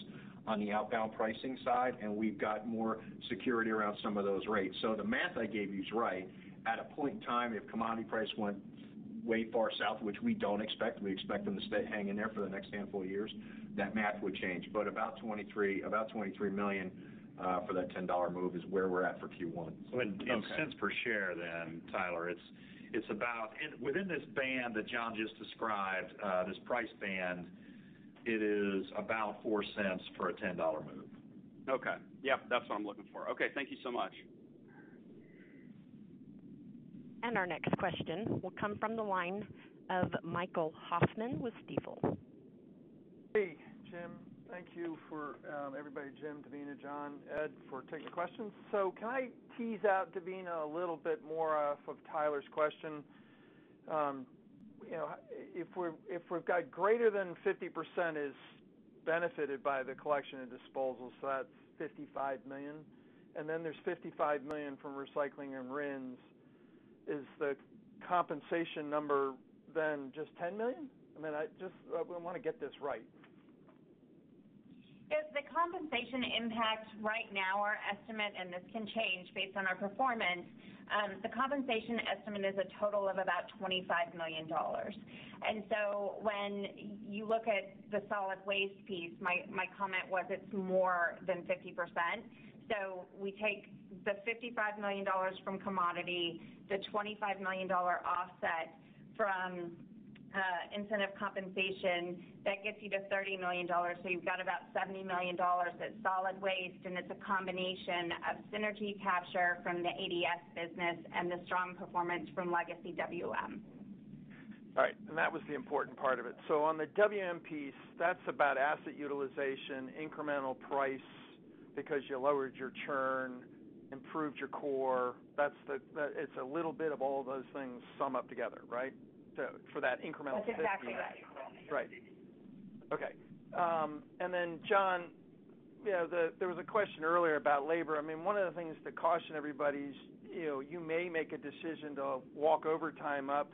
on the outbound pricing side, and we've got more security around some of those rates. The math I gave you is right. At a point in time, if commodity price went way far south, which we don't expect, we expect them to hang in there for the next handful of years, that math would change. About $23 million for that $10 move is where we're at for Q1. In cents per share, Tyler, within this band that John just described, this price band, it is about $0.04 for a $10 move. Okay. Yep, that's what I'm looking for. Okay, thank you so much. Our next question will come from the line of Michael Hoffman with Stifel. Hey, Jim. Thank you for everybody, Jim, Devina, John, Ed, for taking the questions. Can I tease out, Devina, a little bit more off of Tyler's question? If we've got greater than 50% is benefited by the collection and disposal, so that's $55 million, and then there's $55 million from recycling and RINs, is the compensation number then just $10 million? I mean, I just want to get this right. If the compensation impact right now, our estimate, and this can change based on our performance, the compensation estimate is a total of about $25 million. When you look at the solid waste piece, my comment was it's more than 50%. We take the $55 million from commodity, the $25 million offset from incentive compensation, that gets you to $30 million. You've got about $70 million at solid waste, and it's a combination of synergy capture from the ADS business and the strong performance from legacy WM. Right, that was the important part of it. On the WM piece, that's about asset utilization, incremental price, because you lowered your churn, improved your core. It's a little bit of all those things sum up together, right? For that incremental $50 million. That's exactly right, Michael. Right. Okay. John, there was a question earlier about labor. One of the things to caution everybody is, you may make a decision to walk over time up,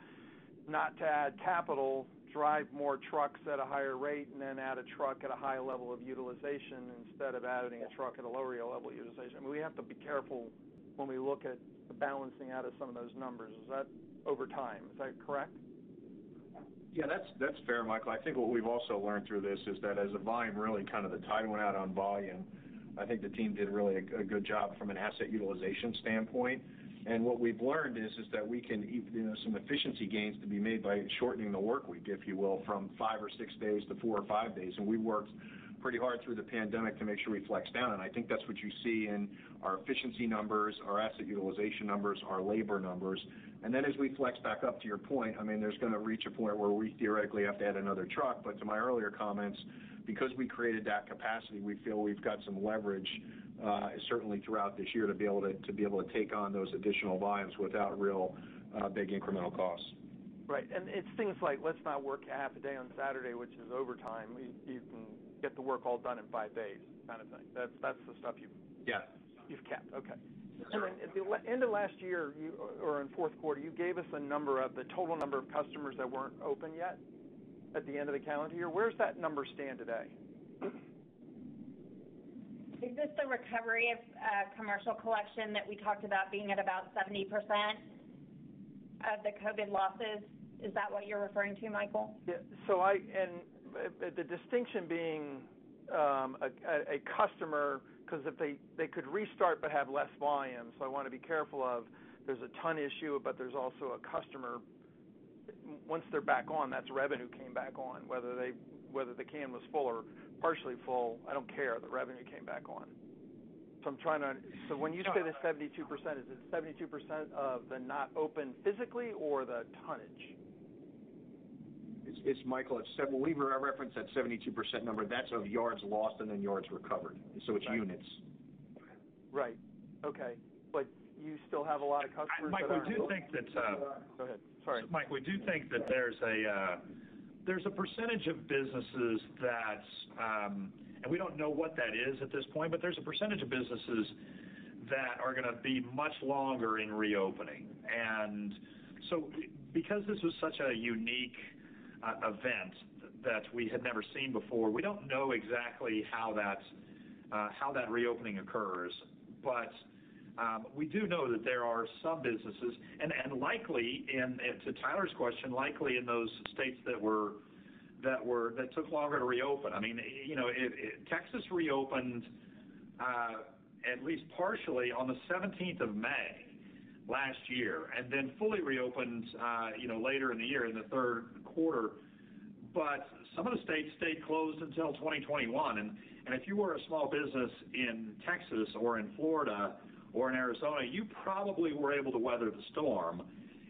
not to add capital, drive more trucks at a higher rate, and then add a truck at a high level of utilization instead of adding a truck at a lower level of utilization. We have to be careful when we look at the balancing out of some of those numbers. Is that over time? Is that correct? Yeah, that's fair, Michael. I think what we've also learned through this is that as a volume really kind of the tide went out on volume. I think the team did really a good job from an asset utilization standpoint. What we've learned is that we can Some efficiency gains to be made by shortening the work week, if you will, from five or six days to four or five days. We worked pretty hard through the pandemic to make sure we flexed down, and I think that's what you see in our efficiency numbers, our asset utilization numbers, our labor numbers. Then as we flex back up, to your point, there's going to reach a point where we theoretically have to add another truck. To my earlier comments, because we created that capacity, we feel we've got some leverage, certainly throughout this year, to be able to take on those additional volumes without real big incremental costs. Right. It's things like let's not work half a day on Saturday, which is overtime. You can get the work all done in five days kind of thing. Yes you've kept. Okay. Sure. At the end of last year or in fourth quarter, you gave us a number of the total number of customers that weren't open yet at the end of the calendar year. Where's that number stand today? Is this the recovery of commercial collection that we talked about being at about 70% of the COVID losses? Is that what you're referring to, Michael? Yeah. The distinction being, a customer, because if they could restart but have less volume, I want to be careful of. There's a ton issue, but there's also a customer. Once they're back on, that's revenue came back on, whether the can was full or partially full, I don't care. The revenue came back on. When you say the 72%, is it 72% of the not open physically or the tonnage? Michael, when we reference that 72% number, that's of yards lost and then yards recovered. It's units. Right. Okay. You still have a lot of customers that aren't open? Mike, we do think. Go ahead. Sorry. Mike, we do think that there's a percentage of businesses that, we don't know what that is at this point, there's a percentage of businesses that are going to be much longer in reopening. Because this was such a unique event that we had never seen before, we don't know exactly how that reopening occurs. We do know that there are some businesses, and to Tyler's question, likely in those states that took longer to reopen. Texas reopened, at least partially, on the 17th of May last year, fully reopened later in the year, in the third quarter. Some of the states stayed closed until 2021, and if you were a small business in Texas or in Florida or in Arizona, you probably were able to weather the storm.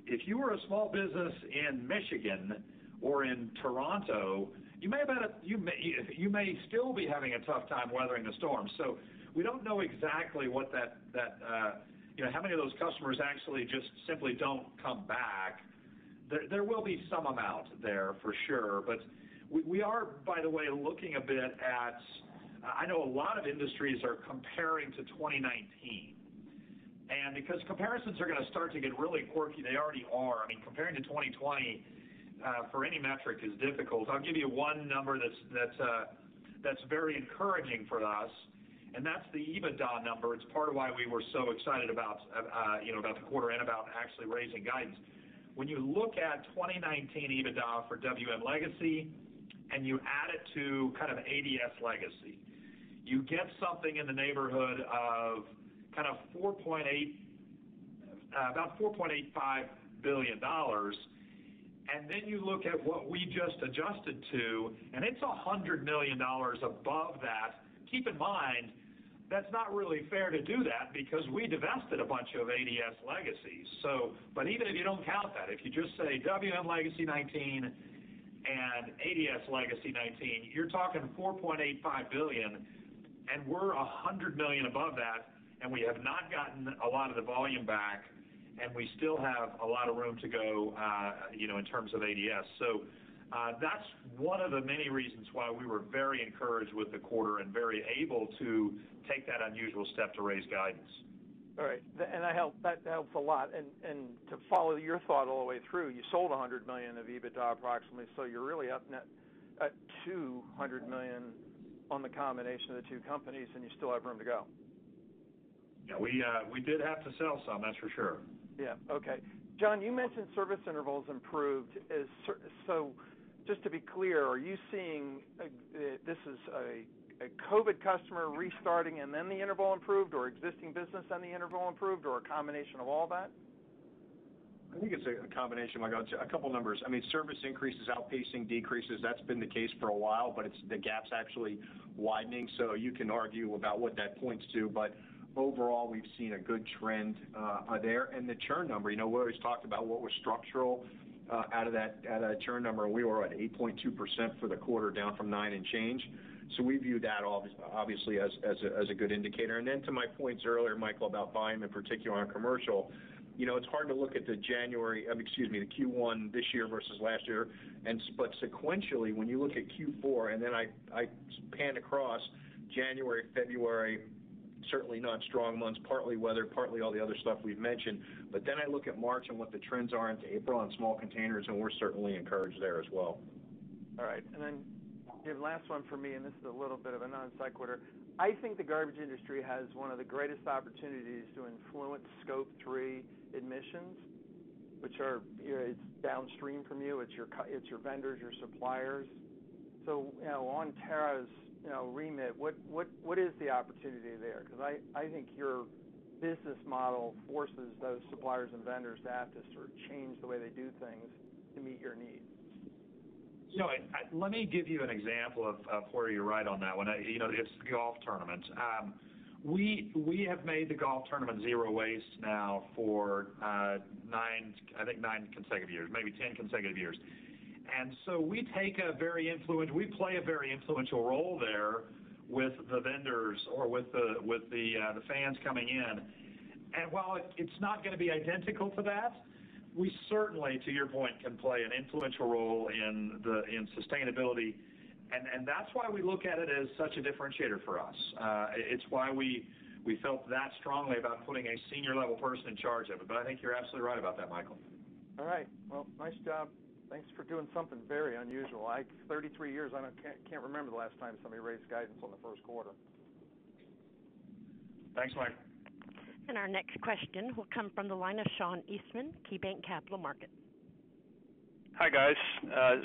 If you were a small business in Michigan or in Toronto, you may still be having a tough time weathering the storm. We don't know exactly how many of those customers actually just simply don't come back. There will be some amount there for sure. We are, by the way, looking a bit at, I know a lot of industries are comparing to 2019. Because comparisons are going to start to get really quirky, they already are. Comparing to 2020, for any metric is difficult. I'll give you one number that's very encouraging for us, and that's the EBITDA number. It's part of why we were so excited about the quarter and about actually raising guidance. When you look at 2019 EBITDA for WM Legacy, and you add it to ADS Legacy, you get something in the neighborhood of about $4.85 billion. You look at what we just adjusted to, and it's $100 million above that. Keep in mind, that's not really fair to do that because we divested a bunch of ADS Legacies. Even if you don't count that, if you just say WM Legacy '19 and ADS Legacy '19, you're talking $4.85 billion, and we're $100 million above that, and we have not gotten a lot of the volume back, and we still have a lot of room to go in terms of ADS. That's one of the many reasons why we were very encouraged with the quarter and very able to take that unusual step to raise guidance. All right. That helps a lot. To follow your thought all the way through, you sold $100 million of EBITDA approximately, so you're really up net at $200 million on the combination of the two companies, and you still have room to go. Yeah, we did have to sell some, that's for sure. Yeah. Okay. John, you mentioned service intervals improved. Just to be clear, are you seeing this as a COVID customer restarting and then the interval improved, or existing business then the interval improved, or a combination of all that? I think it's a combination, Michael. A couple of numbers. Service increases outpacing decreases, that's been the case for a while, but the gap's actually widening. You can argue about what that points to, but overall, we've seen a good trend there. The churn number, we always talked about what was structural out of that churn number, and we were at 8.2% for the quarter, down from nine and change. Then to my points earlier, Michael, about volume in particular on commercial, it's hard to look at the Q1 this year versus last year. Sequentially, when you look at Q4, and then I pan across January, February, certainly not strong months, partly weather, partly all the other stuff we've mentioned. I look at March and what the trends are into April on small containers, and we're certainly encouraged there as well. All right. Last one from me, and this is a little bit of a non-sequitur. I think the garbage industry has one of the greatest opportunities to influence Scope 3, which it's downstream from you, it's your vendors, your suppliers. On Tara's remit, what is the opportunity there? I think your business model forces those suppliers and vendors to have to sort of change the way they do things to meet your needs. Let me give you an example of where you're right on that one. It's golf tournaments. We have made the golf tournament zero waste now for I think nine consecutive years, maybe 10 consecutive years. We play a very influential role there with the vendors or with the fans coming in. While it's not going to be identical to that, we certainly, to your point, can play an influential role in sustainability, and that's why we look at it as such a differentiator for us. It's why we felt that strongly about putting a senior level person in charge of it. I think you're absolutely right about that, Michael. All right. Well, nice job. Thanks for doing something very unusual. 33 years, I can't remember the last time somebody raised guidance on the first quarter. Thanks, Mike. Our next question will come from the line of Sean Eastman, KeyBanc Capital Markets. Hi, guys.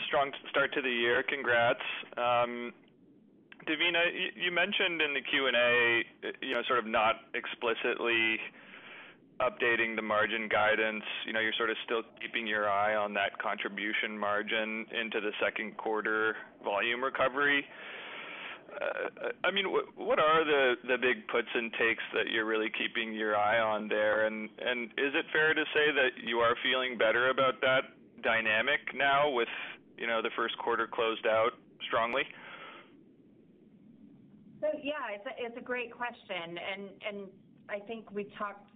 Strong start to the year, congrats. Devina, you mentioned in the Q&A, sort of not explicitly updating the margin guidance. You're sort of still keeping your eye on that contribution margin into the second quarter volume recovery. What are the big puts and takes that you're really keeping your eye on there? Is it fair to say that you are feeling better about that dynamic now with the first quarter closed out strongly? Yeah. It's a great question, and I think we talked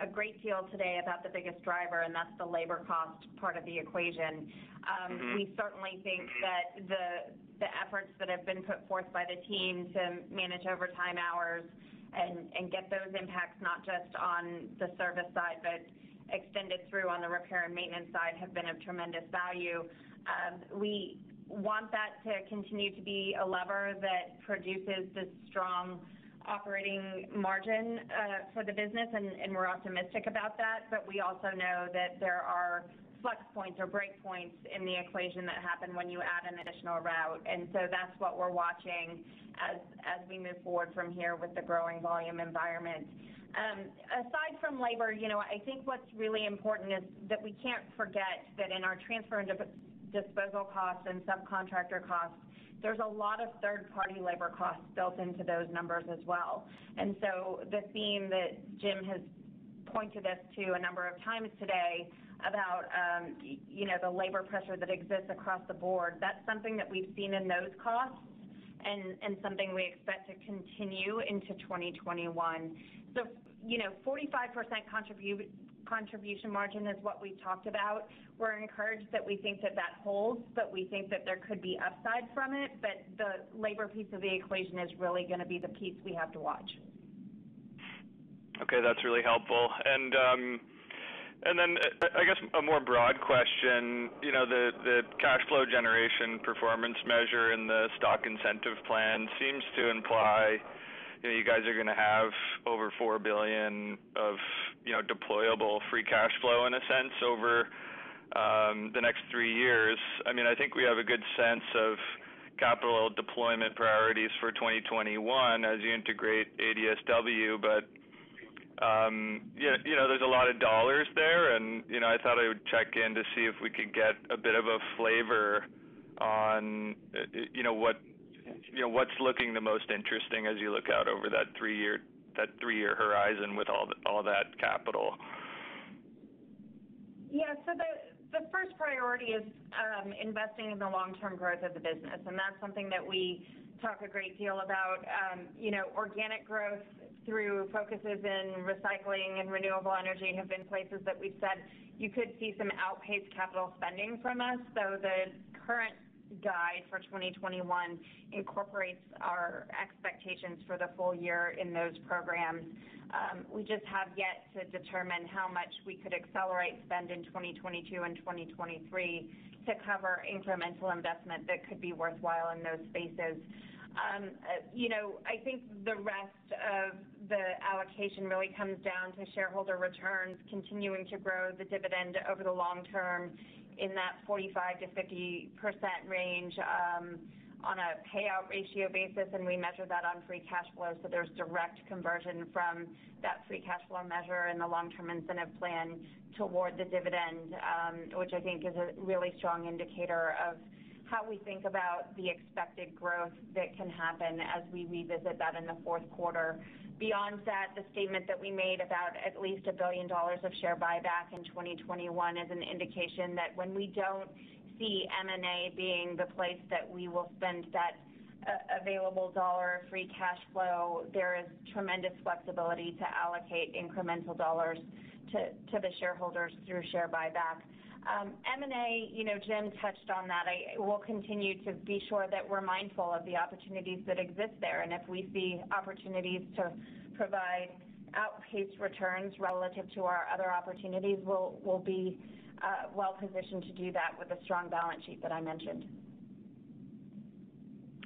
a great deal today about the biggest driver, and that's the labor cost part of the equation. We certainly think that the efforts that have been put forth by the team to manage overtime hours and get those impacts, not just on the service side, but extended through on the repair and maintenance side, have been of tremendous value. We want that to continue to be a lever that produces this strong operating margin for the business, and we're optimistic about that. We also know that there are flex points or break points in the equation that happen when you add an additional route. That's what we're watching as we move forward from here with the growing volume environment. Aside from labor, I think what's really important is that we can't forget that in our transfer and disposal costs and subcontractor costs, there's a lot of third-party labor costs built into those numbers as well. The theme that Jim has pointed us to a number of times today about the labor pressure that exists across the board, that's something that we've seen in those costs and something we expect to continue into 2021. 45% contribution margin is what we talked about. We're encouraged that we think that that holds, but we think that there could be upside from it, but the labor piece of the equation is really going to be the piece we have to watch. Okay, that's really helpful. I guess a more broad question, the cash flow generation performance measure and the stock incentive plan seems to imply you guys are going to have over $4 billion of deployable free cash flow in a sense, over the next three years. I think we have a good sense of capital deployment priorities for 2021 as you integrate ADSW, but there's a lot of dollars there, and I thought I would check in to see if we could get a bit of a flavor on what's looking the most interesting as you look out over that three-year horizon with all that capital. The first priority is investing in the long-term growth of the business, and that's something that we talk a great deal about. Organic growth through focuses in recycling and renewable energy have been places that we've said you could see some outpaced capital spending from us. The current guide for 2021 incorporates our expectations for the full year in those programs. We just have yet to determine how much we could accelerate spend in 2022 and 2023 to cover incremental investment that could be worthwhile in those spaces. I think the rest of the allocation really comes down to shareholder returns continuing to grow the dividend over the long term in that 45%-50% range on a payout ratio basis, and we measure that on free cash flow, so there's direct conversion from that free cash flow measure and the long-term incentive plan toward the dividend, which I think is a really strong indicator of how we think about the expected growth that can happen as we revisit that in the fourth quarter. Beyond that, the statement that we made about at least $1 billion of share buyback in 2021 is an indication that when we don't see M&A being the place that we will spend that available dollar of free cash flow, there is tremendous flexibility to allocate incremental dollars to the shareholders through share buyback. M&A, Jim touched on that. We'll continue to be sure that we're mindful of the opportunities that exist there, and if we see opportunities to provide outpaced returns relative to our other opportunities, we'll be well-positioned to do that with the strong balance sheet that I mentioned.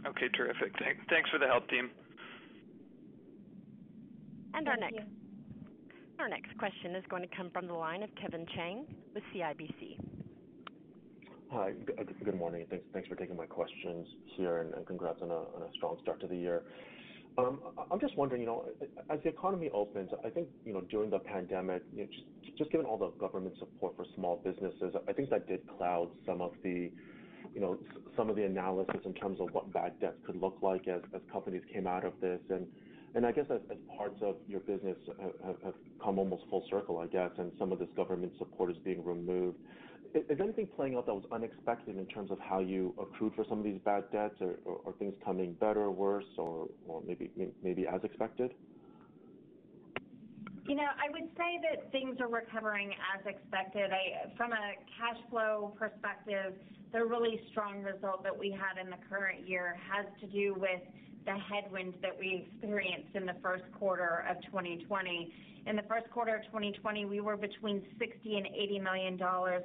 Okay, terrific. Thanks for the help, team. Thank you. Our next question is going to come from the line of Kevin Chiang with CIBC. Hi. Good morning, and thanks for taking my questions here, and congrats on a strong start to the year. I'm just wondering, as the economy opens, I think during the pandemic, just given all the government support for small businesses, I think that did cloud some of the analysis in terms of what bad debts could look like as companies came out of this. I guess as parts of your business have come almost full circle, I guess, and some of this government support is being removed, is anything playing out that was unexpected in terms of how you accrued for some of these bad debts? Are things coming better or worse, or maybe as expected? I would say that things are recovering as expected. From a cash flow perspective, the really strong result that we had in the current year has to do with the headwinds that we experienced in the first quarter of 2020. In the first quarter of 2020, we were between $60 million and $80 million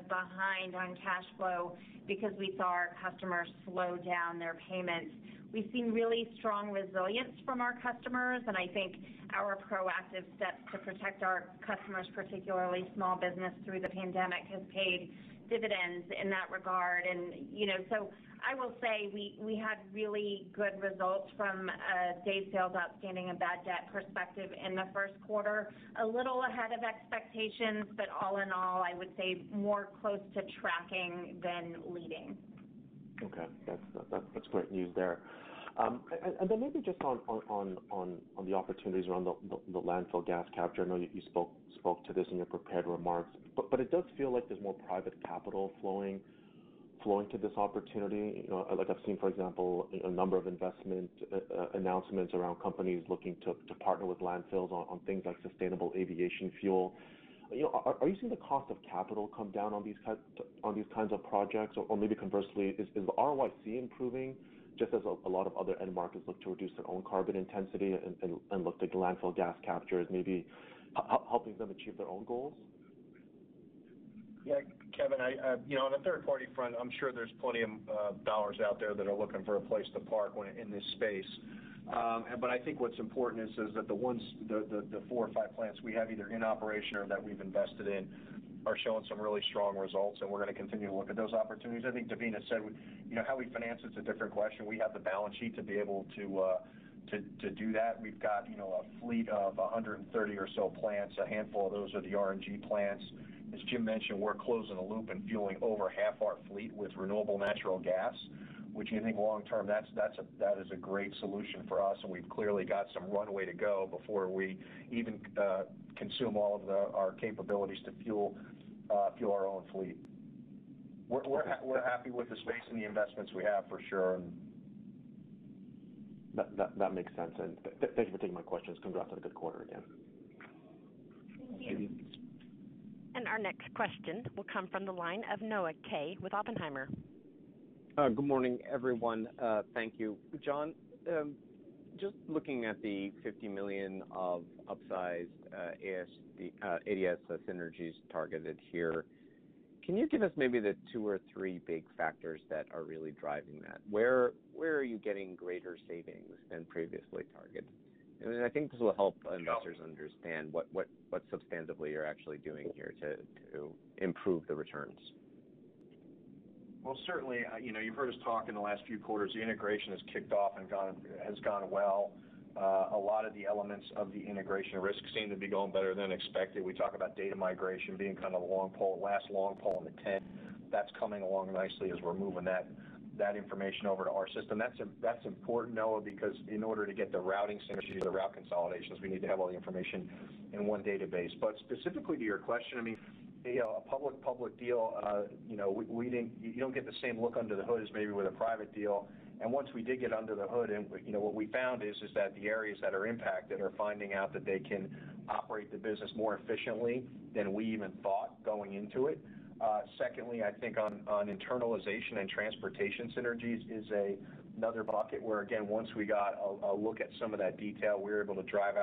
behind on cash flow because we saw our customers slow down their payments. We've seen really strong resilience from our customers, and I think our proactive steps to protect our customers, particularly small business through the pandemic, has paid dividends in that regard. I will say we had really good results from a day sales outstanding and bad debt perspective in the first quarter. A little ahead of expectations, but all in all, I would say more close to tracking than leading. Okay. That's great news there. Maybe just on the opportunities around the landfill gas capture, I know you spoke to this in your prepared remarks, but it does feel like there's more private capital flowing to this opportunity. I've seen, for example, a number of investment announcements around companies looking to partner with landfills on things like sustainable aviation fuel. Are you seeing the cost of capital come down on these kinds of projects? Maybe conversely, is the ROIC improving just as a lot of other end markets look to reduce their own carbon intensity and look to landfill gas capture as maybe helping them achieve their own goals? Yeah, Kevin, on the third-party front, I'm sure there's plenty of dollars out there that are looking for a place to park in this space. I think what's important is that the four or five plants we have either in operation or that we've invested in are showing some really strong results, and we're going to continue to look at those opportunities. I think Devina said, how we finance it is a different question. We have the balance sheet to be able to do that. We've got a fleet of 130 or so plants. A handful of those are the RNG plants. As Jim mentioned, we're closing the loop and fueling over half our fleet with renewable natural gas, which I think long-term, that is a great solution for us, and we've clearly got some runway to go before we even consume all of our capabilities to fuel our own fleet. We're happy with the space and the investments we have, for sure. That makes sense, and thank you for taking my questions. Congrats on a good quarter again. Thank you. Our next question will come from the line of Noah Kaye with Oppenheimer. Good morning, everyone. Thank you. John, just looking at the $50 million of upsized ADS synergies targeted here, can you give us maybe the two or three big factors that are really driving that? Where are you getting greater savings than previously targeted? I think this will help investors understand what substantively you're actually doing here to improve the returns. Certainly. You've heard us talk in the last few quarters, the integration has kicked off and has gone well. A lot of the elements of the integration risks seem to be going better than expected. We talk about data migration being kind of a long pole, last long pole in the tent. That's coming along nicely as we're moving that information over to our system. That's important, Noah, because in order to get the routing synergies or the route consolidations, we need to have all the information in one database. Specifically to your question, a public-public deal, you don't get the same look under the hood as maybe with a private deal. Once we did get under the hood, and what we found is that the areas that are impacted are finding out that they can operate the business more efficiently than we even thought going into it. Secondly, I think on internalization and transportation synergies is another bucket where, again, once we got a look at some of that detail, we were able to drive-.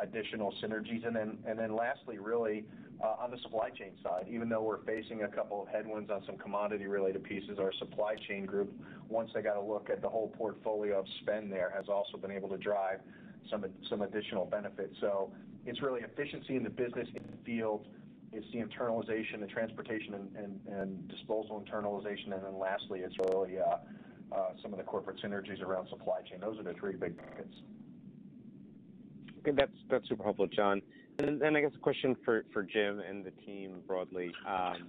additional synergies. Lastly, really, on the supply chain side, even though we're facing a couple of headwinds on some commodity-related pieces, our supply chain group, once they got a look at the whole portfolio of spend there, has also been able to drive some additional benefits. It's really efficiency in the business, in the field, it's the internalization, the transportation and disposal internalization. Lastly, it's really some of the corporate synergies around supply chain. Those are the three big buckets. Okay. That's super helpful, John. I guess a question for Jim and the team broadly. I'm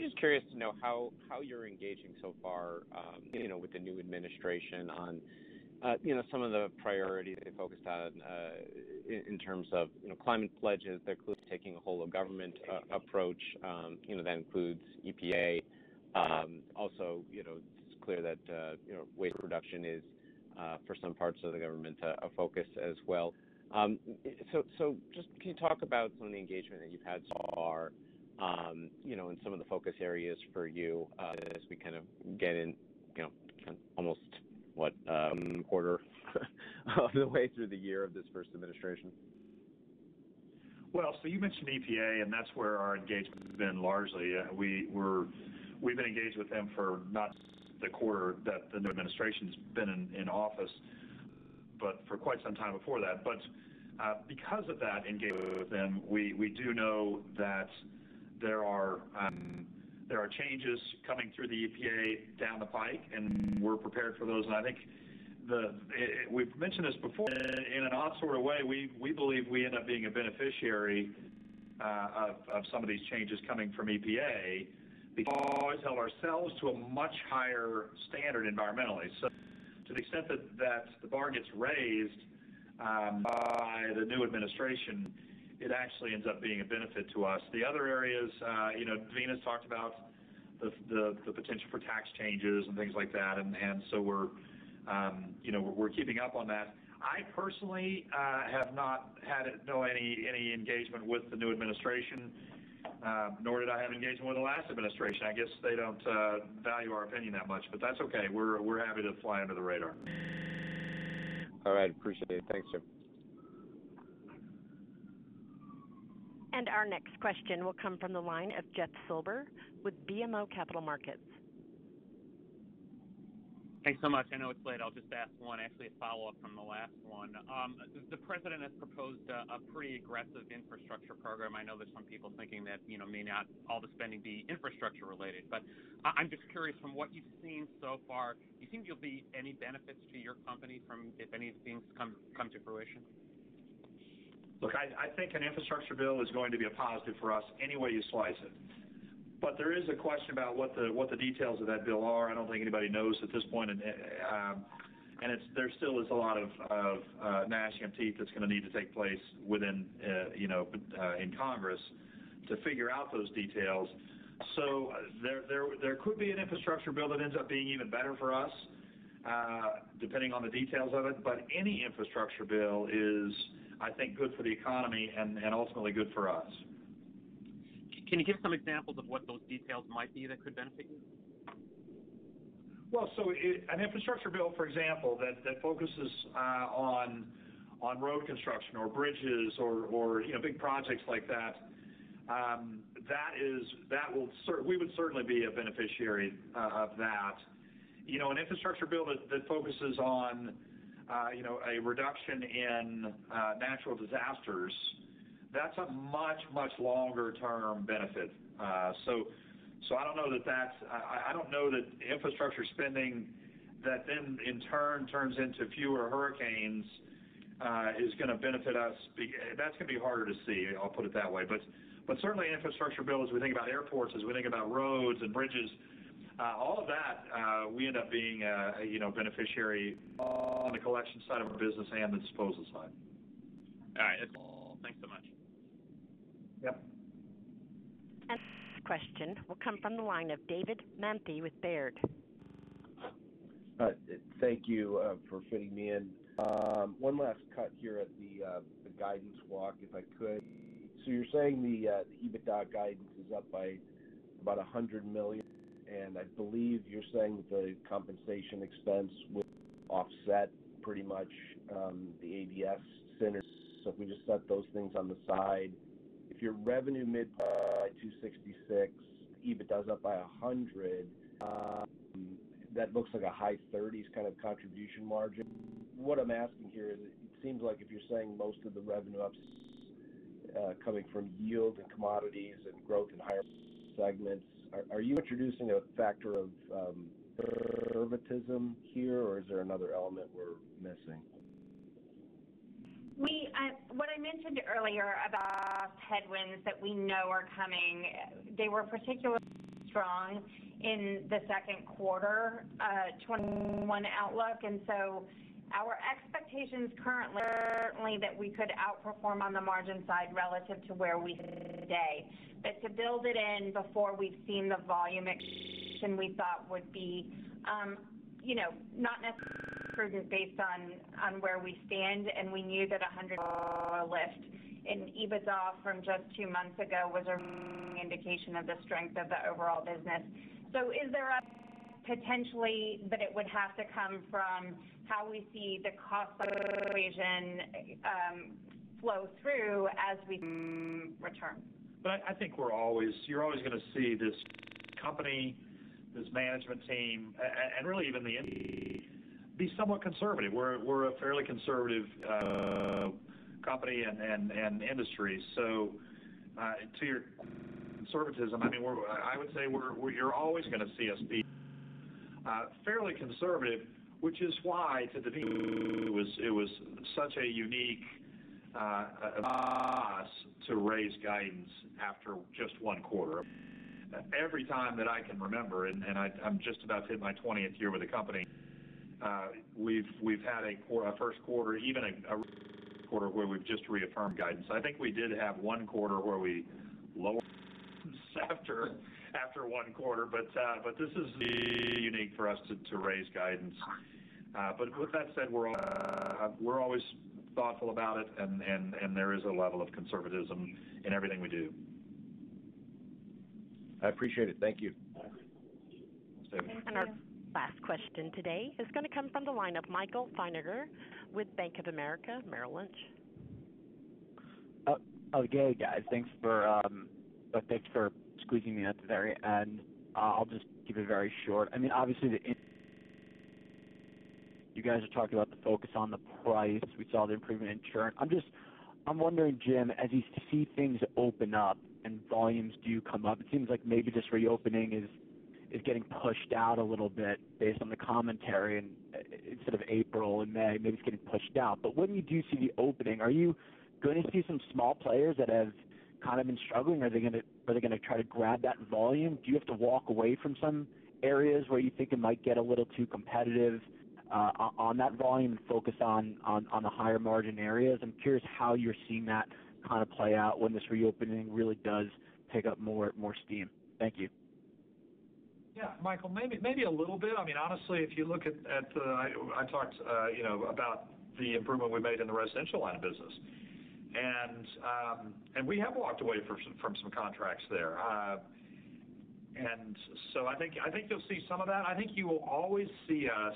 just curious to know how you're engaging so far with the new administration on some of the priorities they focused on, in terms of climate pledges that includes taking a whole of government approach that includes EPA. It's clear that waste reduction is, for some parts of the government, a focus as well. Can you talk about some of the engagement that you've had so far, and some of the focus areas for you as we get in kind of almost what, a quarter of the way through the year of this first administration? You mentioned EPA, and that's where our engagement has been largely. We've been engaged with them for not just the quarter that the new administration's been in office, but for quite some time before that. Because of that engagement with them, we do know that there are changes coming through the EPA down the pike, and we're prepared for those. I think we've mentioned this before, in an odd sort of way, we believe we end up being a beneficiary of some of these changes coming from EPA because we always held ourselves to a much higher standard environmentally. To the extent that the bar gets raised by the new administration, it actually ends up being a benefit to us. The other areas, Devina's talked about the potential for tax changes and things like that, we're keeping up on that. I personally have not had any engagement with the new administration, nor did I have engagement with the last administration. I guess they don't value our opinion that much, but that's okay. We're happy to fly under the radar. All right. Appreciate it. Thanks, Jim. Our next question will come from the line of Jeff Silber with BMO Capital Markets. Thanks so much. I know it's late. I'll just ask one, actually, a follow-up from the last one. The president has proposed a pretty aggressive infrastructure program. I know there's some people thinking that may not all the spending be infrastructure related. I'm just curious from what you've seen so far, you think there'll be any benefits to your company from if any of these things come to fruition? Look, I think an infrastructure bill is going to be a positive for us any way you slice it. There is a question about what the details of that bill are. I don't think anybody knows at this point, and there still is a lot of gnashing of teeth that's going to need to take place within Congress to figure out those details. There could be an infrastructure bill that ends up being even better for us, depending on the details of it. Any infrastructure bill is, I think, good for the economy and ultimately good for us. Can you give some examples of what those details might be that could benefit you? Well, an infrastructure bill, for example, that focuses on road construction or bridges or big projects like that, we would certainly be a beneficiary of that. An infrastructure bill that focuses on a reduction in natural disasters, that's a much, much longer-term benefit. I don't know that infrastructure spending that then in turn turns into fewer hurricanes is going to benefit us. That's going to be harder to see, I'll put it that way. Certainly infrastructure bill, as we think about airports, as we think about roads and bridges, all of that, we end up being a beneficiary on the collection side of our business and the disposal side. All right. That's all. Thanks so much. Yep. Our last question will come from the line of David Manthey with Baird. Thank you for fitting me in. One last cut here at the guidance walk, if I could. You're saying the EBITDA guidance is up by about $100 million, and I believe you're saying that the compensation expense would offset pretty much the ADS synergies. If we just set those things on the side, if your revenue up by $266, EBITDA's up by $100, that looks like a high thirties kind of contribution margin. What I'm asking here is it seems like if you're saying most of the revenue ups coming from yield and commodities and growth in higher segments, are you introducing a factor of conservatism here, or is there another element we're missing? What I mentioned earlier about headwinds that we know are coming, they were particularly strong in the second quarter 2021 outlook. Our expectation's currently that we could outperform on the margin side relative to where we sit today. To build it in before we've seen the volume execution we thought would be not necessarily prudent based on where we stand, we knew that $100 million lift in EBITDA from just two months ago was a really strong indication of the strength of the overall business. Is there a potential? It would have to come from how we see the cost equation flow through as we return. I think you're always going to see this company, this management team, and really even the industry, be somewhat conservative. We're a fairly conservative company and industry. To your conservatism, I would say you're always going to see us be fairly conservative, which is why to Devina Rankin, it was such a unique to raise guidance after just one quarter. Every time that I can remember, and I'm just about to hit my 20th year with the company, we've had a first quarter, even a quarter where we've just reaffirmed guidance. I think we did have one quarter where we lowered after one quarter. This is unique for us to raise guidance. With that said, we're always thoughtful about it and there is a level of conservatism in everything we do. I appreciate it. Thank you. Thank you. Our last question today is going to come from the line of Michael Feniger with Bank of America, Merrill Lynch. Okay, guys. Thanks for squeezing me in at the very end. I'll just keep it very short. Obviously, you guys are talking about the focus on the price. We saw the improvement in churn. I'm wondering, Jim, as you see things open up and volumes do come up, it seems like maybe this reopening is getting pushed out a little bit based on the commentary and instead of April and May, maybe it's getting pushed out. When you do see the opening, are you going to see some small players that have been struggling? Are they going to try to grab that volume? Do you have to walk away from some areas where you think it might get a little too competitive on that volume and focus on the higher margin areas? I'm curious how you're seeing that play out when this reopening really does pick up more steam. Thank you. Michael, maybe a little bit. Honestly, I talked about the improvement we made in the residential line of business. We have walked away from some contracts there. I think you'll see some of that. I think you will always see us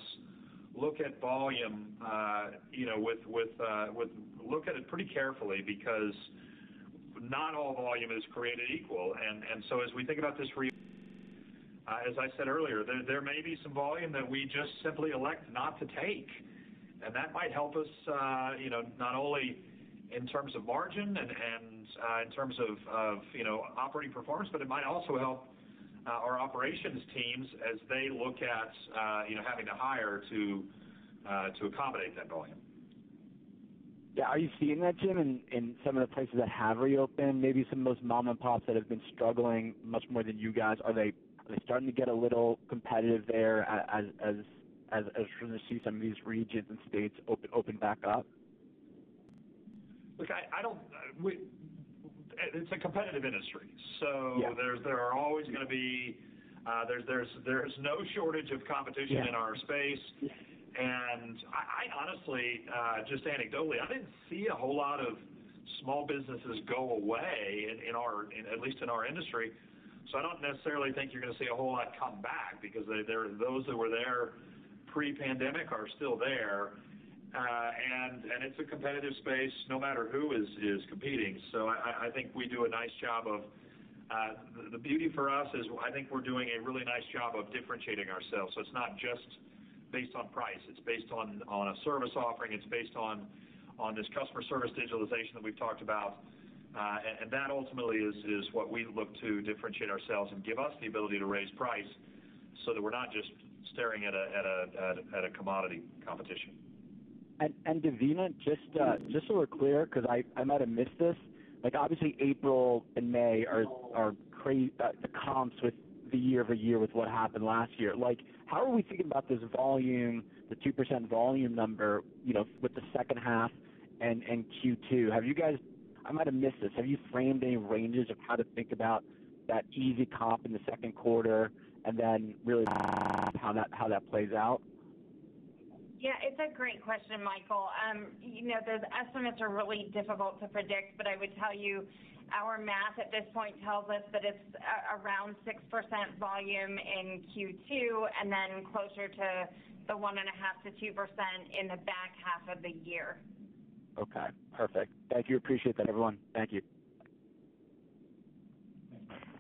look at volume, look at it pretty carefully because not all volume is created equal. As we think about this as I said earlier, there may be some volume that we just simply elect not to take, and that might help us, not only in terms of margin and in terms of operating performance, but it might also help our operations teams as they look at having to hire to accommodate that volume. Yeah. Are you seeing that, Jim, in some of the places that have reopened, maybe some of those mom and pops that have been struggling much more than you guys? Are they starting to get a little competitive there as we're going to see some of these regions and states open back up? Look, it's a competitive industry. Yeah. There's no shortage of competition. Yeah in our space. Yeah. I honestly, just anecdotally, I didn't see a whole lot of small businesses go away, at least in our industry. I don't necessarily think you're going to see a whole lot come back because those that were there pre-pandemic are still there. It's a competitive space no matter who is competing. The beauty for us is I think we're doing a really nice job of differentiating ourselves. It's not just based on price. It's based on a service offering. It's based on this customer service digitalization that we've talked about. That ultimately is what we look to differentiate ourselves and give us the ability to raise price so that we're not just staring at a commodity competition. Devina, just so we're clear, because I might have missed this. Obviously, April and May are crazy. The comps with the year-over-year with what happened last year. How are we thinking about this volume, the 2% volume number, with the second half and Q2? I might have missed this. Have you framed any ranges of how to think about that easy comp in the second quarter and then really how that plays out? Yeah. It's a great question, Michael. Those estimates are really difficult to predict, but I would tell you our math at this point tells us that it's around 6% volume in Q2, and then closer to the 1.5%-2% in the back half of the year. Okay. Perfect. Thank you. Appreciate that, everyone. Thank you.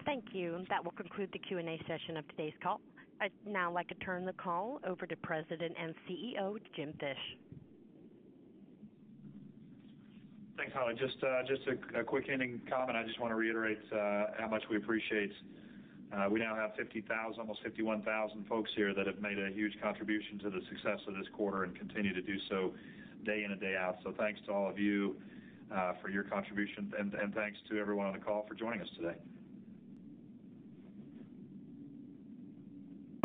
Thank you. That will conclude the Q&A session of today's call. I'd now like to turn the call over to President and CEO, Jim Fish. Thanks, Holly. Just a quick ending comment. I just want to reiterate how much we appreciate. We now have 50,000, almost 51,000 folks here that have made a huge contribution to the success of this quarter and continue to do so day in and day out. Thanks to all of you for your contribution and thanks to everyone on the call for joining us today.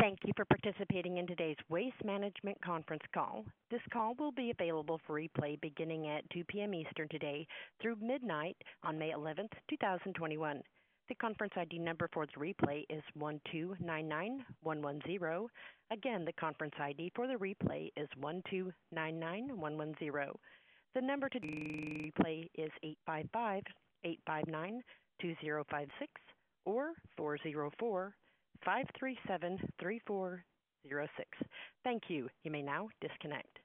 Thank you for participating in today's Waste Management conference call. This call will be available for replay beginning at 2:00 PM Eastern today through midnight on May 11th, 2021. The conference ID number for its replay is 1299110. Again, the conference ID for the replay is 1299110. The number to replay is 855-859-2056 or 404-537-3406. Thank you. You may now disconnect.